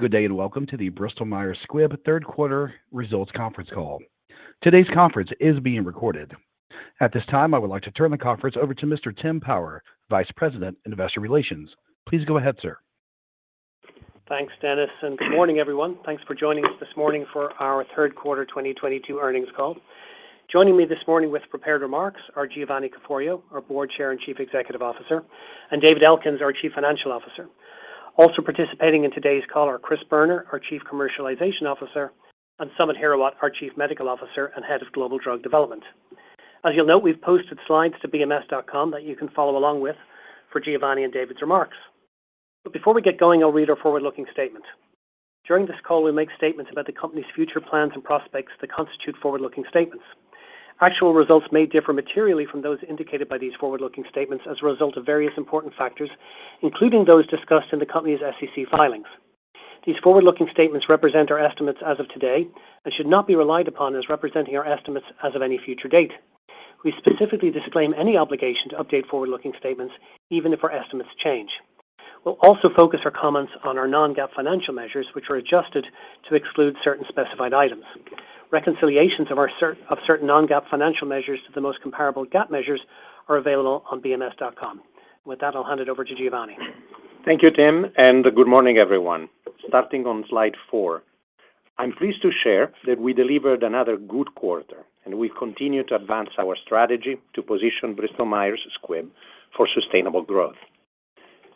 Good day, and welcome to the Bristol Myers Squibb third quarter results conference call. Today's conference is being recorded. At this time, I would like to turn the conference over to Mr. Tim Power, Vice President, Investor Relations. Please go ahead, sir. Thanks, Dennis, and good morning, everyone. Thanks for joining us this morning for our third quarter 2022 earnings call. Joining me this morning with prepared remarks are Giovanni Caforio, our Board Chair and Chief Executive Officer, and David Elkins, our Chief Financial Officer. Also participating in today's call are Chris Boerner, our Chief Commercialization Officer, and Samit Hirawat, our Chief Medical Officer and Head of Global Drug Development. As you'll note, we've posted slides to bms.com that you can follow along with for Giovanni and David's remarks. Before we get going, I'll read our forward-looking statement. During this call, we make statements about the company's future plans and prospects that constitute forward-looking statements. Actual results may differ materially from those indicated by these forward-looking statements as a result of various important factors, including those discussed in the company's SEC filings. These forward-looking statements represent our estimates as of today and should not be relied upon as representing our estimates as of any future date. We specifically disclaim any obligation to update forward-looking statements even if our estimates change. We'll also focus our comments on our non-GAAP financial measures, which are adjusted to exclude certain specified items. Reconciliations of certain non-GAAP financial measures to the most comparable GAAP measures are available on bms.com. With that, I'll hand it over to Giovanni. Thank you, Tim, and good morning, everyone. Starting on slide four, I'm pleased to share that we delivered another good quarter, and we continue to advance our strategy to position Bristol Myers Squibb for sustainable growth.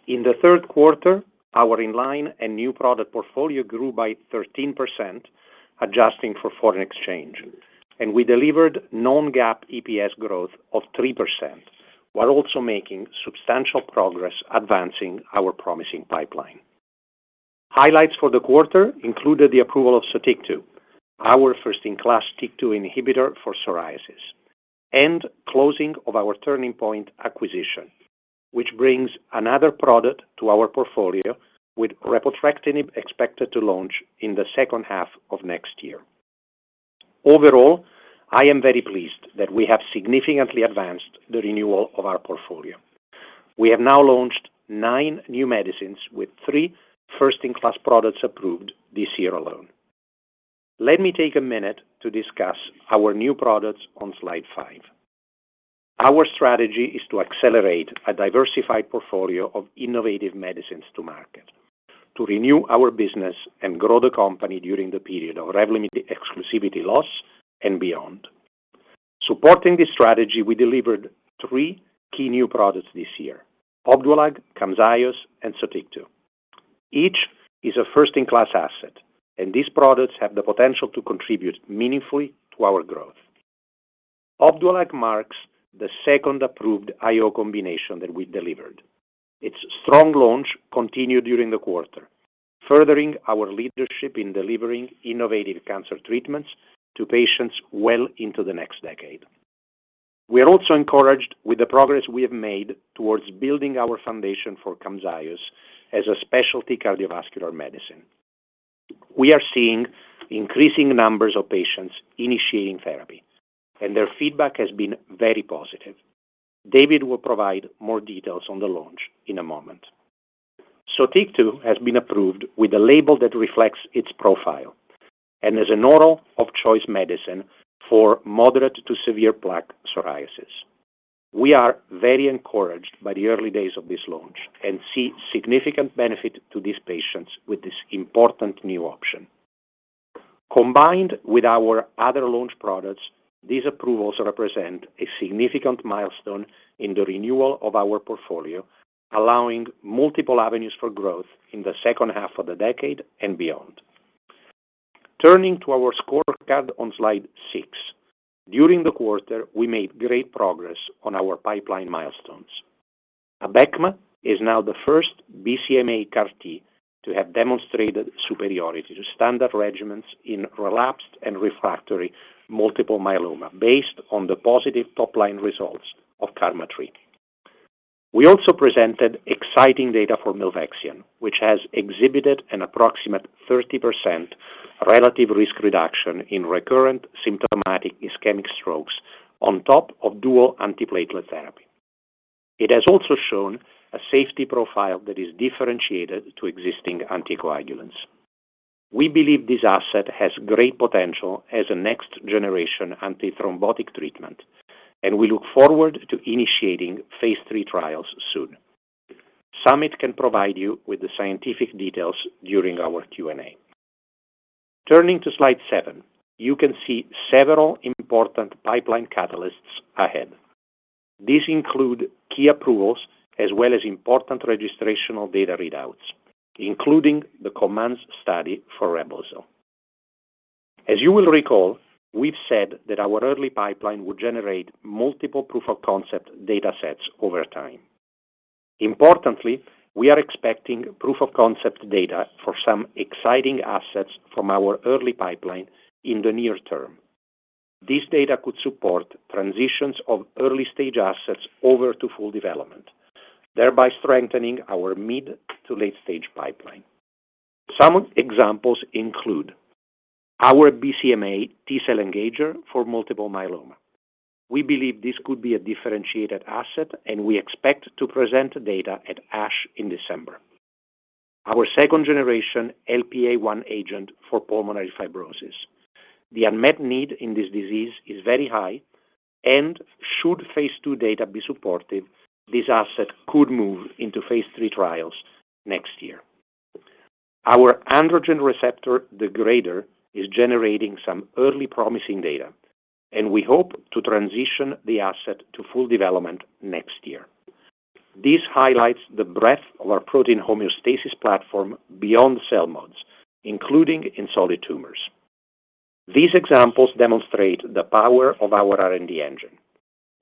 In the third quarter, our in-line and new product portfolio grew by 13%, adjusting for foreign exchange, and we delivered non-GAAP EPS growth of 3% while also making substantial progress advancing our promising pipeline. Highlights for the quarter included the approval of Sotyktu, our first-in-class TYK2 inhibitor for psoriasis, and closing of our Turning Point Therapeutics acquisition, which brings another product to our portfolio with repotrectinib expected to launch in the second half of next year. Overall, I am very pleased that we have significantly advanced the renewal of our portfolio. We have now launched nine new medicines with three first-in-class products approved this year alone. Let me take a minute to discuss our new products on slide five. Our strategy is to accelerate a diversified portfolio of innovative medicines to market, to renew our business and grow the company during the period of Revlimid exclusivity loss and beyond. Supporting this strategy, we delivered three key new products this year, Opdualag, Camzyos, and Sotyktu. Each is a first-in-class asset, and these products have the potential to contribute meaningfully to our growth. Opdualag marks the second approved IO combination that we delivered. Its strong launch continued during the quarter, furthering our leadership in delivering innovative cancer treatments to patients well into the next decade. We are also encouraged with the progress we have made towards building our foundation for Camzyos as a specialty cardiovascular medicine. We are seeing increasing numbers of patients initiating therapy, and their feedback has been very positive. David will provide more details on the launch in a moment. Sotyktu has been approved with a label that reflects its profile and is an oral of choice medicine for moderate to severe plaque psoriasis. We are very encouraged by the early days of this launch and see significant benefit to these patients with this important new option. Combined with our other launch products, these approvals represent a significant milestone in the renewal of our portfolio, allowing multiple avenues for growth in the second half of the decade and beyond. Turning to our scorecard on slide six. During the quarter, we made great progress on our pipeline milestones. Abecma is now the first BCMA CAR T to have demonstrated superiority to standard regimens in relapsed and refractory multiple myeloma based on the positive top-line results of KarMMa-3. We also presented exciting data for milvexian, which has exhibited an approximate 30% relative risk reduction in recurrent symptomatic ischemic strokes on top of dual antiplatelet therapy. It has also shown a safety profile that is differentiated to existing anticoagulants. We believe this asset has great potential as a next-generation antithrombotic treatment, and we look forward to initiating phase 3 trials soon. Samit can provide you with the scientific details during our Q&A. Turning to slide seven, you can see several important pipeline catalysts ahead. These include key approvals as well as important registrational data readouts, including the COMMANDS study for Reblozyl. As you will recall, we've said that our early pipeline would generate multiple proof-of-concept datasets over time. Importantly, we are expecting proof-of-concept data for some exciting assets from our early pipeline in the near term. This data could support transitions of early-stage assets over to full development, thereby strengthening our mid- to late-stage pipeline. Some examples include. Our BCMA T-cell engager for multiple myeloma. We believe this could be a differentiated asset, and we expect to present data at ASH in December. Our second-generation LPA1 agent for pulmonary fibrosis. The unmet need in this disease is very high, and should phase two data be supportive, this asset could move into phase three trials next year. Our androgen receptor degrader is generating some early promising data, and we hope to transition the asset to full development next year. This highlights the breadth of our protein homeostasis platform beyond CELMoDs, including in solid tumors. These examples demonstrate the power of our R&D engine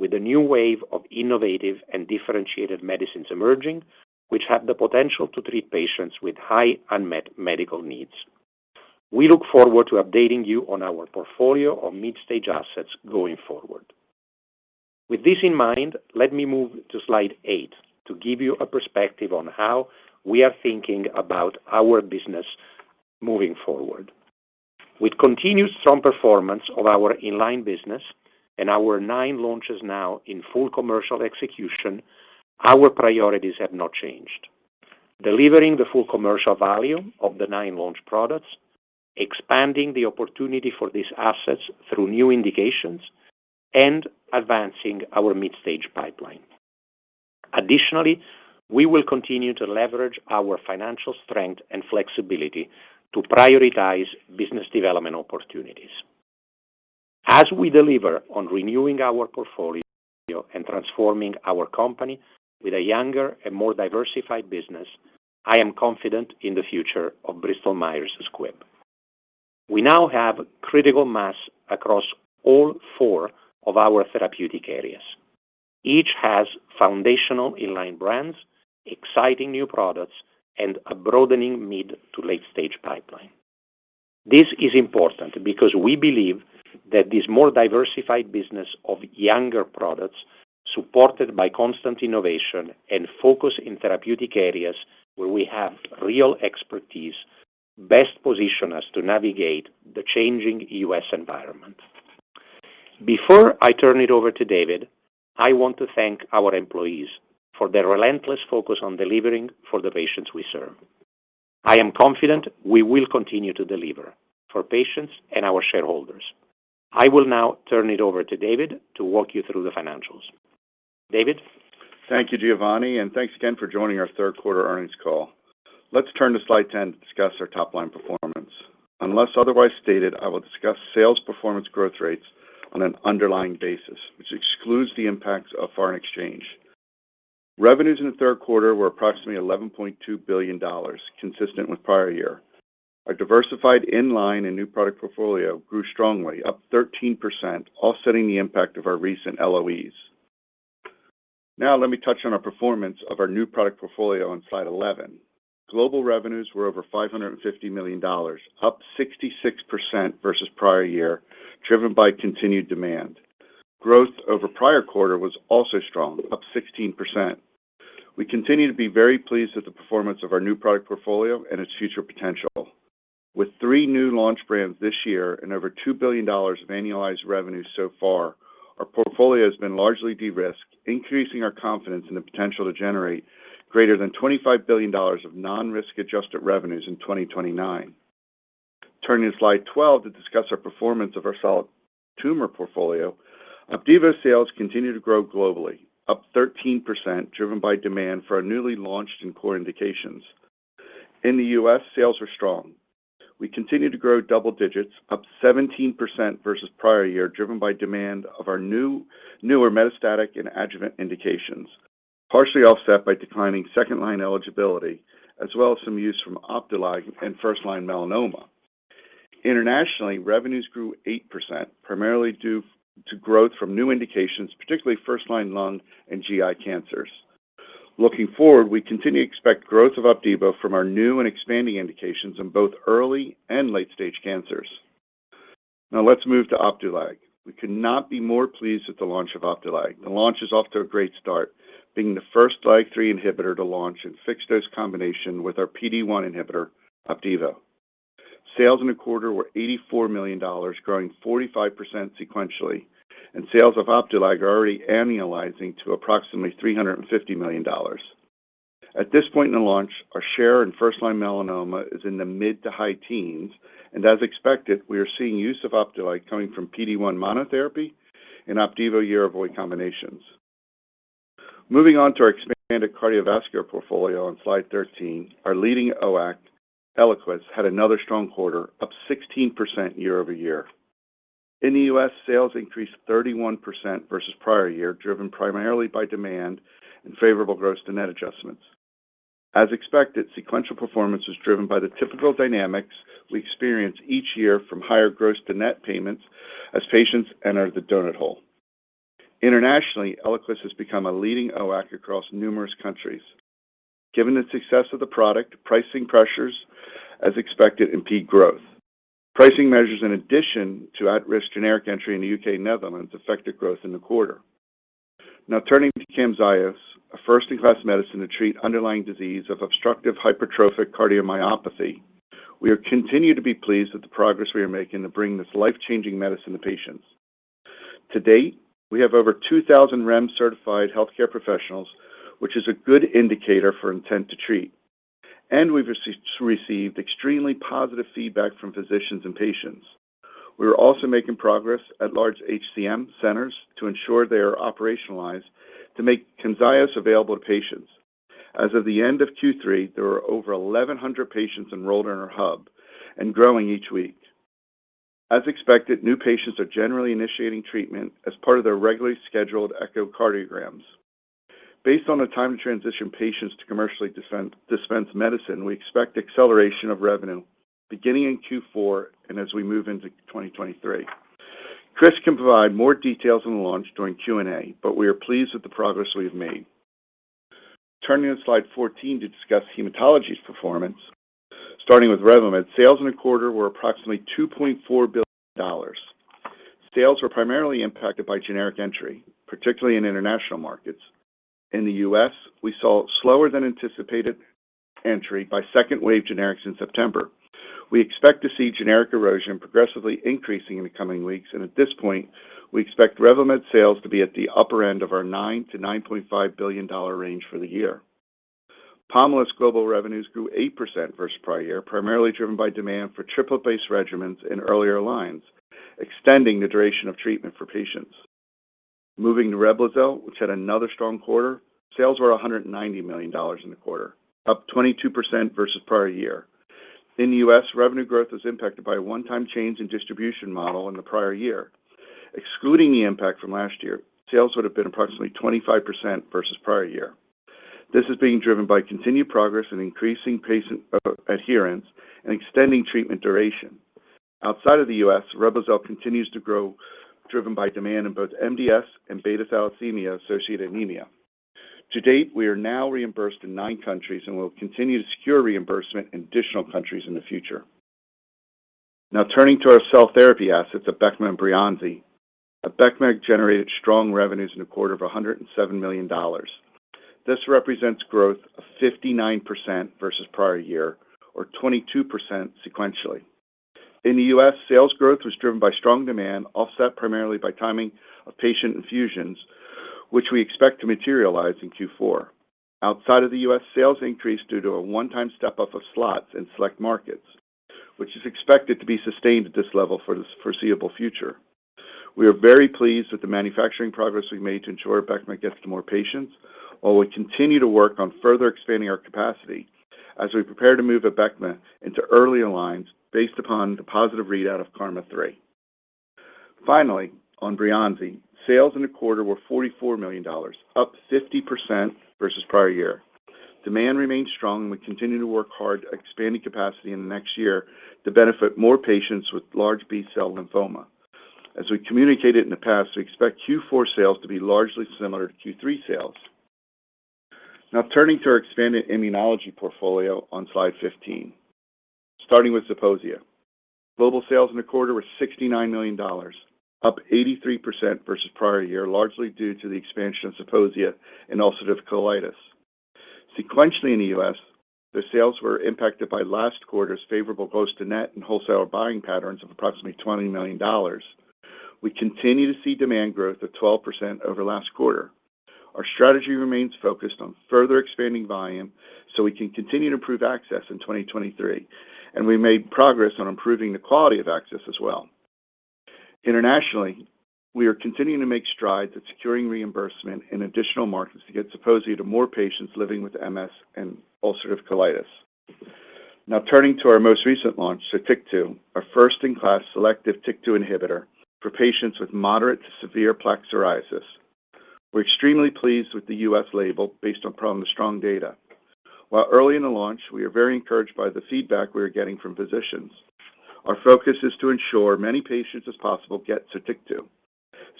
with a new wave of innovative and differentiated medicines emerging, which have the potential to treat patients with high unmet medical needs. We look forward to updating you on our portfolio of mid-stage assets going forward. With this in mind, let me move to slide eight to give you a perspective on how we are thinking about our business moving forward. With continued strong performance of our in-line business and our nine launches now in full commercial execution, our priorities have not changed. Delivering the full commercial value of the nine launch products, expanding the opportunity for these assets through new indications, and advancing our mid-stage pipeline. Additionally, we will continue to leverage our financial strength and flexibility to prioritize business development opportunities. As we deliver on renewing our portfolio and transforming our company with a younger and more diversified business, I am confident in the future of Bristol Myers Squibb. We now have critical mass across all four of our therapeutic areas. Each has foundational in-line brands, exciting new products, and a broadening mid to late-stage pipeline. This is important because we believe that this more diversified business of younger products, supported by constant innovation and focus in therapeutic areas where we have real expertise, best position us to navigate the changing U.S. environment. Before I turn it over to David, I want to thank our employees for their relentless focus on delivering for the patients we serve. I am confident we will continue to deliver for patients and our shareholders. I will now turn it over to David to walk you through the financials. David? Thank you, Giovanni, and thanks again for joining our third quarter earnings call. Let's turn to slide 10 to discuss our top-line performance. Unless otherwise stated, I will discuss sales performance growth rates on an underlying basis, which excludes the impacts of foreign exchange. Revenues in the third quarter were approximately $11.2 billion, consistent with prior year. Our diversified in-line and new product portfolio grew strongly, up 13%, offsetting the impact of our recent LOEs. Now let me touch on our performance of our new product portfolio on slide 11. Global revenues were over $550 million, up 66% versus prior year, driven by continued demand. Growth over prior quarter was also strong, up 16%. We continue to be very pleased with the performance of our new product portfolio and its future potential. With 3 new launch brands this year and over $2 billion of annualized revenues so far, our portfolio has been largely de-risked, increasing our confidence in the potential to generate greater than $25 billion of non-risk-adjusted revenues in 2029. Turning to slide 12 to discuss our performance of our solid tumor portfolio. Opdivo sales continue to grow globally, up 13%, driven by demand for our newly launched and core indications. In the U.S., sales were strong. We continue to grow double digits, up 17% versus prior year, driven by demand of our new, newer metastatic and adjuvant indications, partially offset by declining second-line eligibility as well as some use from Opdualag in first-line melanoma. Internationally, revenues grew 8%, primarily due to growth from new indications, particularly first-line lung and GI cancers. Looking forward, we continue to expect growth of Opdivo from our new and expanding indications in both early and late-stage cancers. Now let's move to Opdualag. We could not be more pleased with the launch of Opdualag. The launch is off to a great start, being the first LAG-3 inhibitor to launch in fixed-dose combination with our PD-1 inhibitor, Opdivo. Sales in the quarter were $84 million, growing 45% sequentially, and sales of Opdualag are already annualizing to approximately $350 million. At this point in the launch, our share in first-line melanoma is in the mid- to high teens, and as expected, we are seeing use of Opdualag coming from PD-1 monotherapy and Opdivo Yervoy combinations. Moving on to our expanded cardiovascular portfolio on slide 13. Our leading OAC, Eliquis, had another strong quarter, up 16% year-over-year. In the US, sales increased 31% versus prior year, driven primarily by demand and favorable gross to net adjustments. As expected, sequential performance was driven by the typical dynamics we experience each year from higher gross to net payments as patients enter the donut hole. Internationally, Eliquis has become a leading OAC across numerous countries. Given the success of the product, pricing pressures, as expected, impede growth. Pricing measures in addition to at-risk generic entry in the UK and Netherlands affected growth in the quarter. Now turning to Camzyos, a first-in-class medicine to treat underlying disease of obstructive hypertrophic cardiomyopathy. We continue to be pleased with the progress we are making to bring this life-changing medicine to patients. To date, we have over 2,000 REMS-certified healthcare professionals, which is a good indicator for intent to treat. We've received extremely positive feedback from physicians and patients. We are also making progress at large HCM centers to ensure they are operationalized to make Camzyos available to patients. As of the end of Q3, there were over 1,100 patients enrolled in our hub and growing each week. As expected, new patients are generally initiating treatment as part of their regularly scheduled echocardiograms. Based on the time to transition patients to commercially dispense medicine, we expect acceleration of revenue beginning in Q4 and as we move into 2023. Chris can provide more details on the launch during Q&A, but we are pleased with the progress we have made. Turning to slide 14 to discuss Hematology's performance. Starting with Revlimid, sales in the quarter were approximately $2.4 billion. Sales were primarily impacted by generic entry, particularly in international markets. In the U.S., we saw slower than anticipated entry by second wave generics in September. We expect to see generic erosion progressively increasing in the coming weeks, and at this point, we expect Revlimid sales to be at the upper end of our $9-$9.5 billion range for the year. Pomalyst global revenues grew 8% versus prior year, primarily driven by demand for triple-based regimens in earlier lines, extending the duration of treatment for patients. Moving to Reblozyl, which had another strong quarter, sales were $190 million in the quarter, up 22% versus prior year. In the US, revenue growth was impacted by a one-time change in distribution model in the prior year. Excluding the impact from last year, sales would have been approximately 25% versus prior year. This is being driven by continued progress in increasing patient adherence and extending treatment duration. Outside of the US, Reblozyl continues to grow, driven by demand in both MDS and beta thalassemia-associated anemia. To date, we are now reimbursed in nine countries and will continue to secure reimbursement in additional countries in the future. Now turning to our cell therapy assets of Abecma and Breyanzi. Abecma generated strong revenues in the quarter of $107 million. This represents growth of 59% versus prior year or 22% sequentially. In the US, sales growth was driven by strong demand, offset primarily by timing of patient infusions, which we expect to materialize in Q4. Outside of the US, sales increased due to a one-time step-up of slots in select markets, which is expected to be sustained at this level for the foreseeable future. We are very pleased with the manufacturing progress we've made to ensure Abecma gets to more patients, while we continue to work on further expanding our capacity as we prepare to move Abecma into earlier lines based upon the positive readout of KarMMa-3. Finally, on Breyanzi, sales in the quarter were $44 million, up 50% versus prior year. Demand remains strong, and we continue to work hard at expanding capacity in the next year to benefit more patients with large B-cell lymphoma. As we communicated in the past, we expect Q4 sales to be largely similar to Q3 sales. Now turning to our expanded Immunology portfolio on slide 15. Starting with Zeposia. Global sales in the quarter were $69 million, up 83% versus prior year, largely due to the expansion of Zeposia in ulcerative colitis. Sequentially in the U.S., the sales were impacted by last quarter's favorable gross to net and wholesale buying patterns of approximately $20 million. We continue to see demand growth of 12% over last quarter. Our strategy remains focused on further expanding volume so we can continue to improve access in 2023, and we made progress on improving the quality of access as well. Internationally, we are continuing to make strides at securing reimbursement in additional markets to get Zeposia to more patients living with MS and ulcerative colitis. Now turning to our most recent launch, Sotyktu, our first in class selective TYK2 inhibitor for patients with moderate to severe plaque psoriasis. We're extremely pleased with the U.S. label based on strong data. While early in the launch, we are very encouraged by the feedback we are getting from physicians. Our focus is to ensure as many patients as possible get Sotyktu,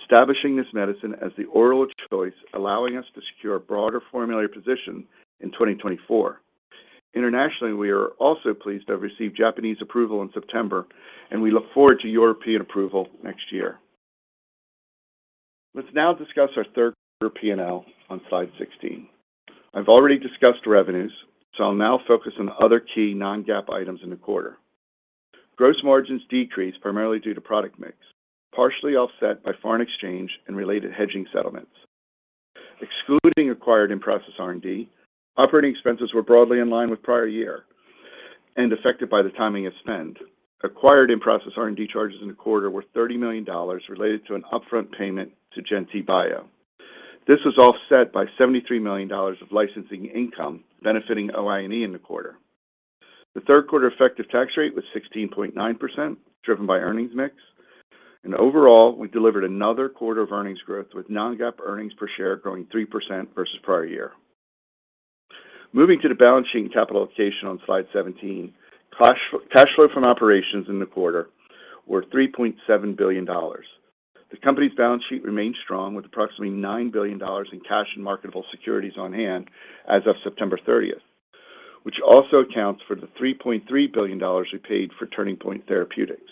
establishing this medicine as the oral of choice, allowing us to secure a broader formulary position in 2024. Internationally, we are also pleased to have received Japanese approval in September, and we look forward to European approval next year. Let's now discuss our third quarter P&L on slide 16. I've already discussed revenues, so I'll now focus on other key non-GAAP items in the quarter. Gross margins decreased primarily due to product mix, partially offset by foreign exchange and related hedging settlements. Excluding acquired in-process R&D, operating expenses were broadly in line with prior year and affected by the timing of spend. Acquired in-process R&D charges in the quarter were $30 million related to an upfront payment to GentiBio. This was offset by $73 million of licensing income benefiting OI&E in the quarter. The third quarter effective tax rate was 16.9%, driven by earnings mix. Overall, we delivered another quarter of earnings growth with non-GAAP earnings per share growing 3% versus prior year. Moving to the balance sheet and capital allocation on slide 17. Cash flow from operations in the quarter was $3.7 billion. The company's balance sheet remained strong with approximately $9 billion in cash and marketable securities on hand as of September thirtieth, which also accounts for the $3.3 billion we paid for Turning Point Therapeutics.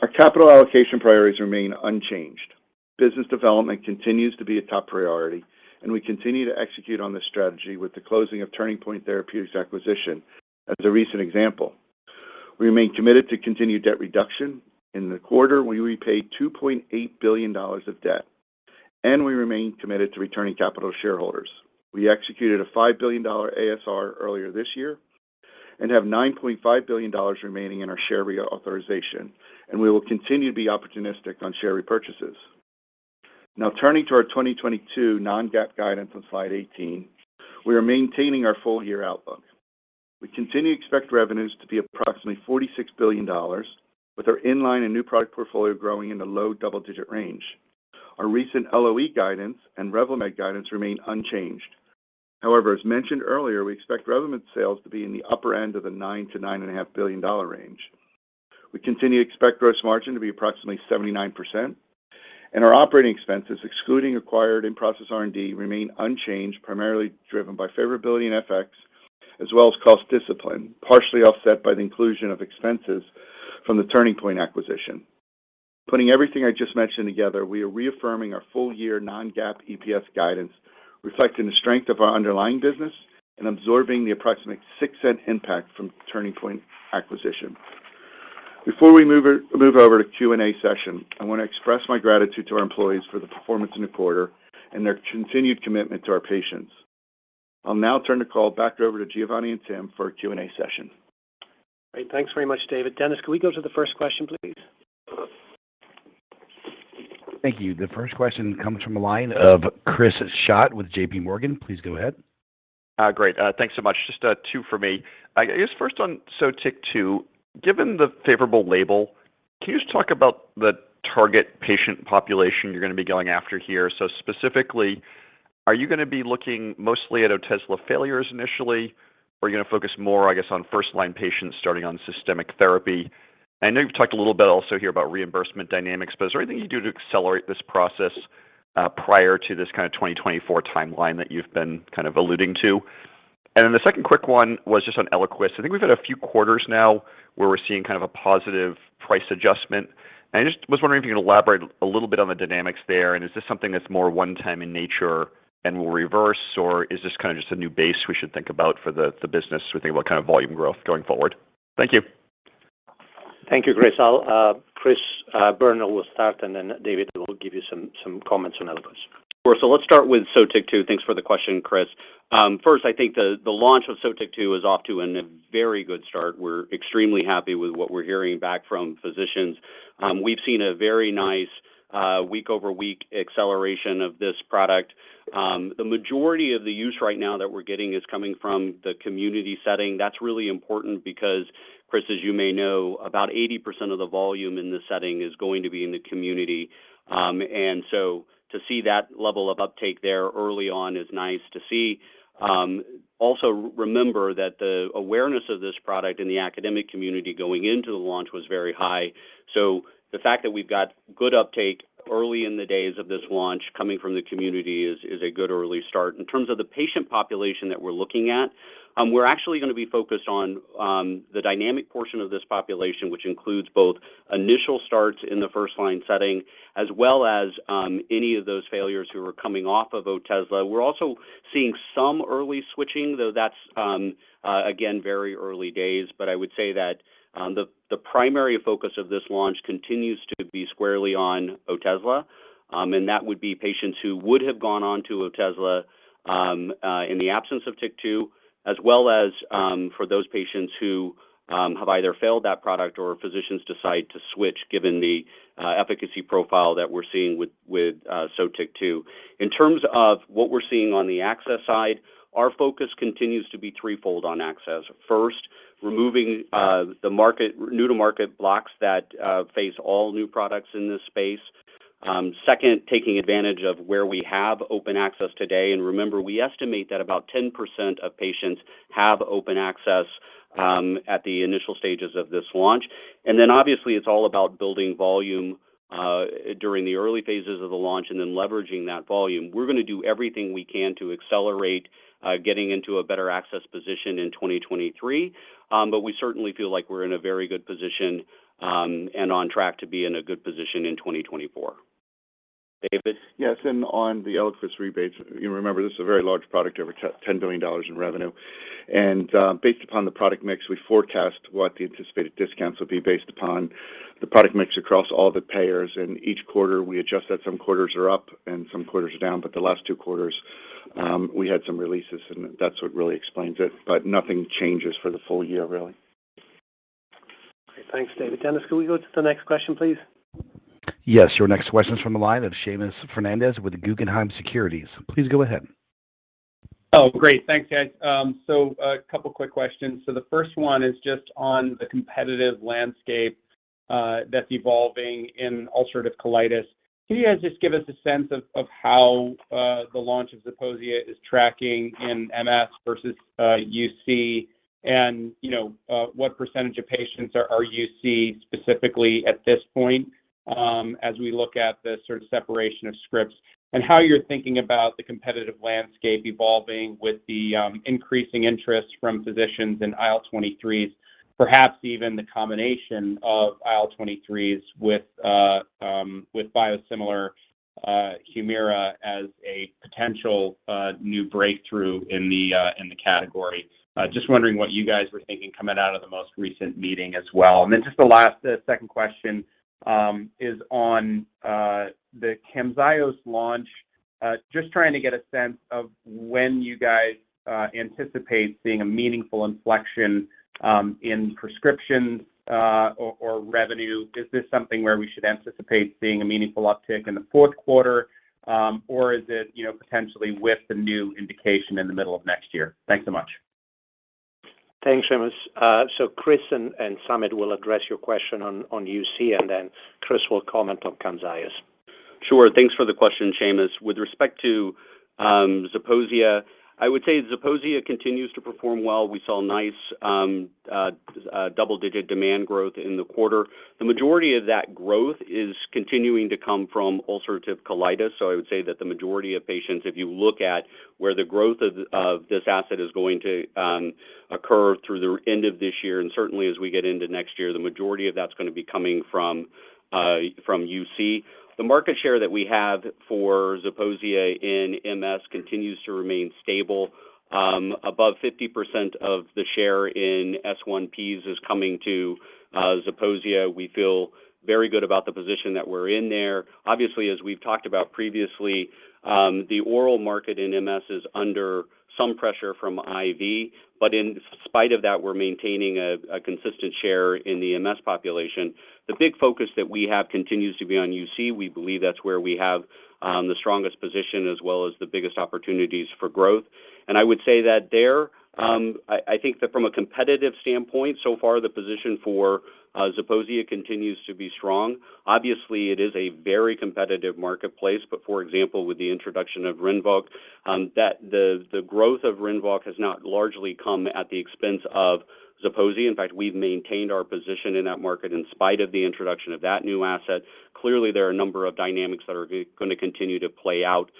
Our capital allocation priorities remain unchanged. Business development continues to be a top priority, and we continue to execute on this strategy with the closing of Turning Point Therapeutics acquisition as a recent example. We remain committed to continued debt reduction. In the quarter, we repaid $2.8 billion of debt, and we remain committed to returning capital to shareholders. We executed a $5 billion ASR earlier this year and have $9.5 billion remaining in our share reauthorization, and we will continue to be opportunistic on share repurchases. Now turning to our 2022 non-GAAP guidance on slide 18, we are maintaining our full-year outlook. We continue to expect revenues to be approximately $46 billion, with our in-line and new product portfolio growing in the low double-digit range. Our recent LOE guidance and Revlimid guidance remain unchanged. However, as mentioned earlier, we expect Revlimid sales to be in the upper end of the $9 billion-$9.5 billion range. We continue to expect gross margin to be approximately 79%, and our operating expenses, excluding acquired in-process R&D, remain unchanged, primarily driven by favorability in FX as well as cost discipline, partially offset by the inclusion of expenses from the Turning Point acquisition. Putting everything I just mentioned together, we are reaffirming our full-year non-GAAP EPS guidance, reflecting the strength of our underlying business and absorbing the approximate $0.06 impact from Turning Point acquisition. Before we move over to Q&A session, I want to express my gratitude to our employees for the performance in the quarter and their continued commitment to our patients. I'll now turn the call back over to Giovanni and Tim for a Q&A session. Great. Thanks very much, David. Dennis, can we go to the first question, please? Thank you. The first question comes from the line of Chris Schott with JP Morgan. Please go ahead. Great. Thanks so much. Just two for me. I guess first on Sotyktu, given the favorable label, can you just talk about the target patient population you're going to be going after here? So specifically, are you going to be looking mostly at Otezla failures initially, or are you going to focus more, I guess, on first-line patients starting on systemic therapy? I know you've talked a little bit also here about reimbursement dynamics, but is there anything you do to accelerate this process prior to this kind of 2024 timeline that you've been kind of alluding to? Then the second quick one was just on Eliquis. I think we've had a few quarters now where we're seeing kind of a positive price adjustment. I just was wondering if you can elaborate a little bit on the dynamics there, and is this something that's more one time in nature and will reverse, or is this kind of just a new base we should think about for the business as we think about kind of volume growth going forward? Thank you. Thank you, Chris. Chris Boerner will start, and then David will give you some comments on Eliquis. Sure. Let's start with Sotyktu. Thanks for the question, Chris. First, I think the launch of Sotyktu is off to a very good start. We're extremely happy with what we're hearing back from physicians. We've seen a very nice week-over-week acceleration of this product. The majority of the use right now that we're getting is coming from the community setting. That's really important because Chris, as you may know, about 80% of the volume in this setting is going to be in the community. And so to see that level of uptake there early on is nice to see. Also remember that the awareness of this product in the academic community going into the launch was very high. The fact that we've got good uptake early in the days of this launch coming from the community is a good early start. In terms of the patient population that we're looking at, we're actually going to be focused on the dynamic portion of this population, which includes both initial starts in the first line setting as well as any of those failures who are coming off of Otezla. We're also seeing some early switching, though that's again, very early days. I would say that the primary focus of this launch continues to be squarely on Otezla, and that would be patients who would have gone on to Otezla in the absence of TYK2, as well as for those patients who have either failed that product or physicians decide to switch given the efficacy profile that we're seeing with Sotyktu. In terms of what we're seeing on the access side, our focus continues to be threefold on access. First, removing the new-to-market blocks that face all new products in this space. Second, taking advantage of where we have open access today. Remember, we estimate that about 10% of patients have open access at the initial stages of this launch. Obviously, it's all about building volume during the early phases of the launch and then leveraging that volume. We're going to do everything we can to accelerate getting into a better access position in 2023. We certainly feel like we're in a very good position and on track to be in a good position in 2024. David? Yes. On the Eliquis rebates, you remember this is a very large product, over $10 billion in revenue. Based upon the product mix, we forecast what the anticipated discounts will be based upon the product mix across all the payers. Each quarter, we adjust that. Some quarters are up and some quarters are down. The last two quarters, we had some releases, and that's what really explains it. Nothing changes for the full year, really. Great. Thanks, David. Dennis, can we go to the next question, please? Yes. Your next question is from the line of Seamus Fernandez with Guggenheim Securities. Please go ahead. Oh, great. Thanks, guys. A couple quick questions. The first one is just on the competitive landscape that's evolving in ulcerative colitis. Can you guys just give us a sense of how the launch of Zeposia is tracking in MS versus UC? And, you know, what percentage of patients are UC specifically at this point, as we look at the sort of separation of scripts? And how you're thinking about the competitive landscape evolving with the increasing interest from physicians in IL-23s, perhaps even the combination of IL-23s with biosimilar Humira as a potential new breakthrough in the category. Just wondering what you guys were thinking coming out of the most recent meeting as well. The last second question is on the Camzyos launch. Just trying to get a sense of when you guys anticipate seeing a meaningful inflection in prescriptions or revenue. Is this something where we should anticipate seeing a meaningful uptick in the fourth quarter or is it, you know, potentially with the new indication in the middle of next year? Thanks so much. Thanks, Seamus. Chris and Samit will address your question on UC, and then Chris will comment on Camzyos. Sure. Thanks for the question, Seamus. With respect to Zeposia, I would say Zeposia continues to perform well. We saw nice double-digit demand growth in the quarter. The majority of that growth is continuing to come from ulcerative colitis. I would say that the majority of patients, if you look at where the growth of this asset is going to occur through the end of this year and certainly as we get into next year, the majority of that's gonna be coming from UC. The market share that we have for Zeposia in MS continues to remain stable. Above 50% of the share in S1Ps is coming to Zeposia. We feel very good about the position that we're in there. Obviously, as we've talked about previously, the oral market in MS is under some pressure from IV, but in spite of that, we're maintaining a consistent share in the MS population. The big focus that we have continues to be on UC. We believe that's where we have the strongest position as well as the biggest opportunities for growth. I would say that I think that from a competitive standpoint, so far the position for Zeposia continues to be strong. Obviously, it is a very competitive marketplace, but for example, with the introduction of Rinvoq, that the growth of Rinvoq has not largely come at the expense of Zeposia. In fact, we've maintained our position in that market in spite of the introduction of that new asset. Clearly, there are a number of dynamics that are gonna continue to play out.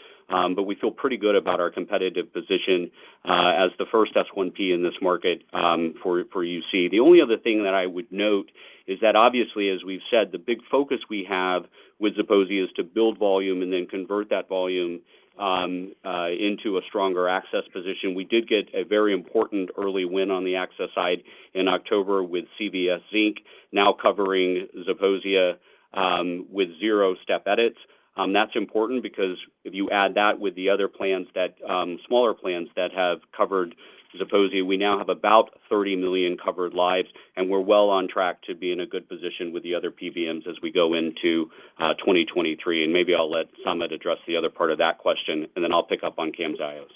We feel pretty good about our competitive position as the first S1P in this market for UC. The only other thing that I would note is that obviously, as we've said, the big focus we have with Zeposia is to build volume and then convert that volume into a stronger access position. We did get a very important early win on the access side in October with CVS Caremark now covering Zeposia with zero step edits. That's important because if you add that with the other plans, smaller plans that have covered Zeposia, we now have about 30 million covered lives, and we're well on track to be in a good position with the other PBMs as we go into 2023. Maybe I'll let Samit address the other part of that question, and then I'll pick up on Camzyos.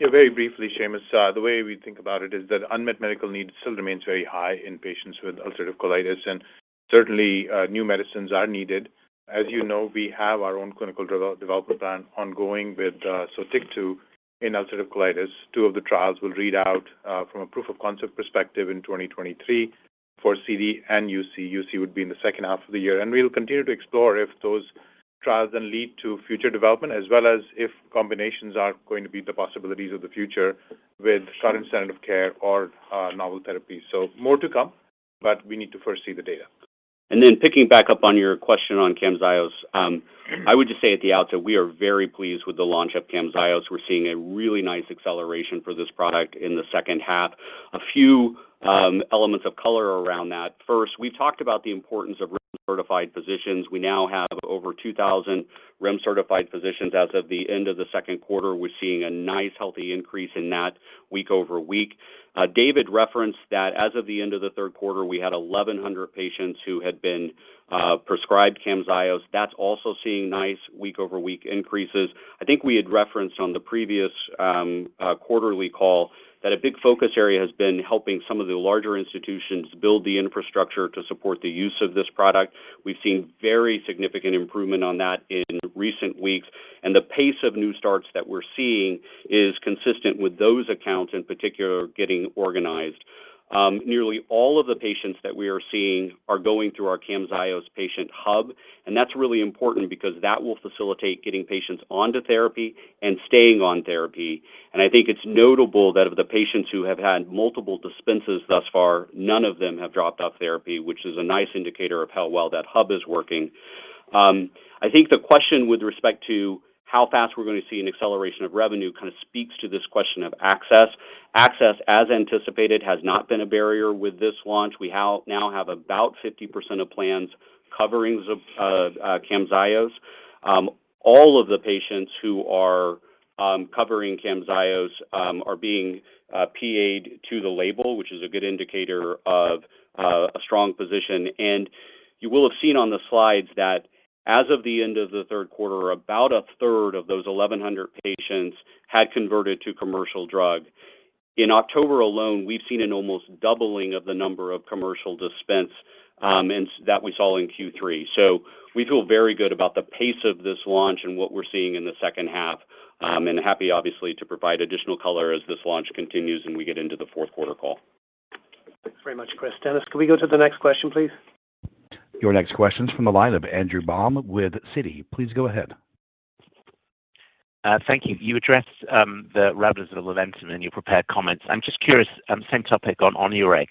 Yeah, very briefly, Seamus, the way we think about it is that unmet medical needs still remains very high in patients with ulcerative colitis, and certainly, new medicines are needed. As you know, we have our own clinical development plan ongoing with Sotyktu in ulcerative colitis. 2 of the trials will read out from a proof of concept perspective in 2023 for CD and UC. UC would be in the second half of the year. We'll continue to explore if those trials then lead to future development as well as if combinations are going to be the possibilities of the future with current standard of care or novel therapies. More to come, but we need to first see the data. Picking back up on your question on Camzyos, I would just say at the outset, we are very pleased with the launch of Camzyos. We're seeing a really nice acceleration for this product in the second half. A few elements of color around that. First, we've talked about the importance of REMS-certified physicians. We now have over 2,000 REMS-certified physicians as of the end of the second quarter. We're seeing a nice, healthy increase in that week-over-week. David referenced that as of the end of the third quarter, we had 1,100 patients who had been prescribed Camzyos. That's also seeing nice week-over-week increases. I think we had referenced on the previous quarterly call that a big focus area has been helping some of the larger institutions build the infrastructure to support the use of this product. We've seen very significant improvement on that in recent weeks, and the pace of new starts that we're seeing is consistent with those accounts in particular getting organized. Nearly all of the patients that we are seeing are going through our Camzyos patient hub, and that's really important because that will facilitate getting patients onto therapy and staying on therapy. I think it's notable that of the patients who have had multiple dispenses thus far, none of them have dropped off therapy, which is a nice indicator of how well that hub is working. I think the question with respect to how fast we're gonna see an acceleration of revenue kind of speaks to this question of access. Access, as anticipated, has not been a barrier with this launch. We now have about 50% of plans covering Camzyos. All of the patients who are covering Camzyos are being PA'd to the label, which is a good indicator of a strong position. You will have seen on the slides that as of the end of the third quarter, about a third of those 1,100 patients had converted to commercial drug. In October alone, we've seen an almost doubling of the number of commercial dispense and that we saw in Q3. We feel very good about the pace of this launch and what we're seeing in the second half and happy obviously to provide additional color as this launch continues and we get into the fourth quarter call. Thanks very much, Chris. Dennis, can we go to the next question, please? Your next question is from the line of Andrew Baum with Citi. Please go ahead. Thank you. You addressed the rout of Revlimid in your prepared comments. I'm just curious, same topic on Onureg.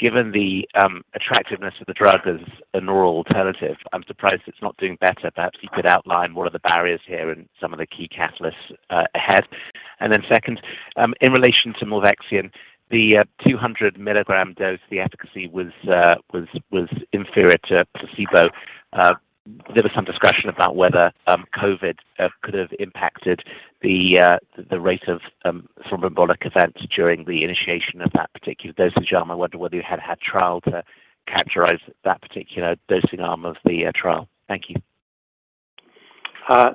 Given the attractiveness of the drug as an oral alternative, I'm surprised it's not doing better. Perhaps you could outline what are the barriers here and some of the key catalysts ahead. Second, in relation to milvexian, the 200 milligram dose, the efficacy was inferior to placebo. There was some discussion about whether COVID could have impacted the rate of thromboembolic events during the initiation of that particular dosage arm of the trial. I wonder whether you had trial to characterize that particular dosing arm of the trial. Thank you.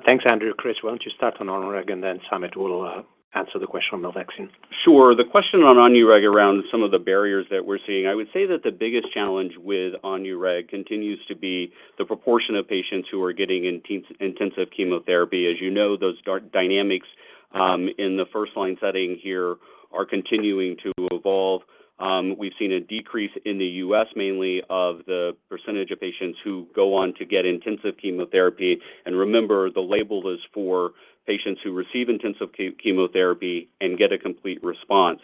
Thanks, Andrew. Chris, why don't you start on Onureg, and then Samit will answer the question on milvexian. Sure. The question on Onureg around some of the barriers that we're seeing, I would say that the biggest challenge with Onureg continues to be the proportion of patients who are getting intensive chemotherapy. As you know, those dynamics in the first line setting here are continuing to evolve. We've seen a decrease in the U.S. mainly of the percentage of patients who go on to get intensive chemotherapy. Remember, the label is for patients who receive intensive chemotherapy and get a complete response.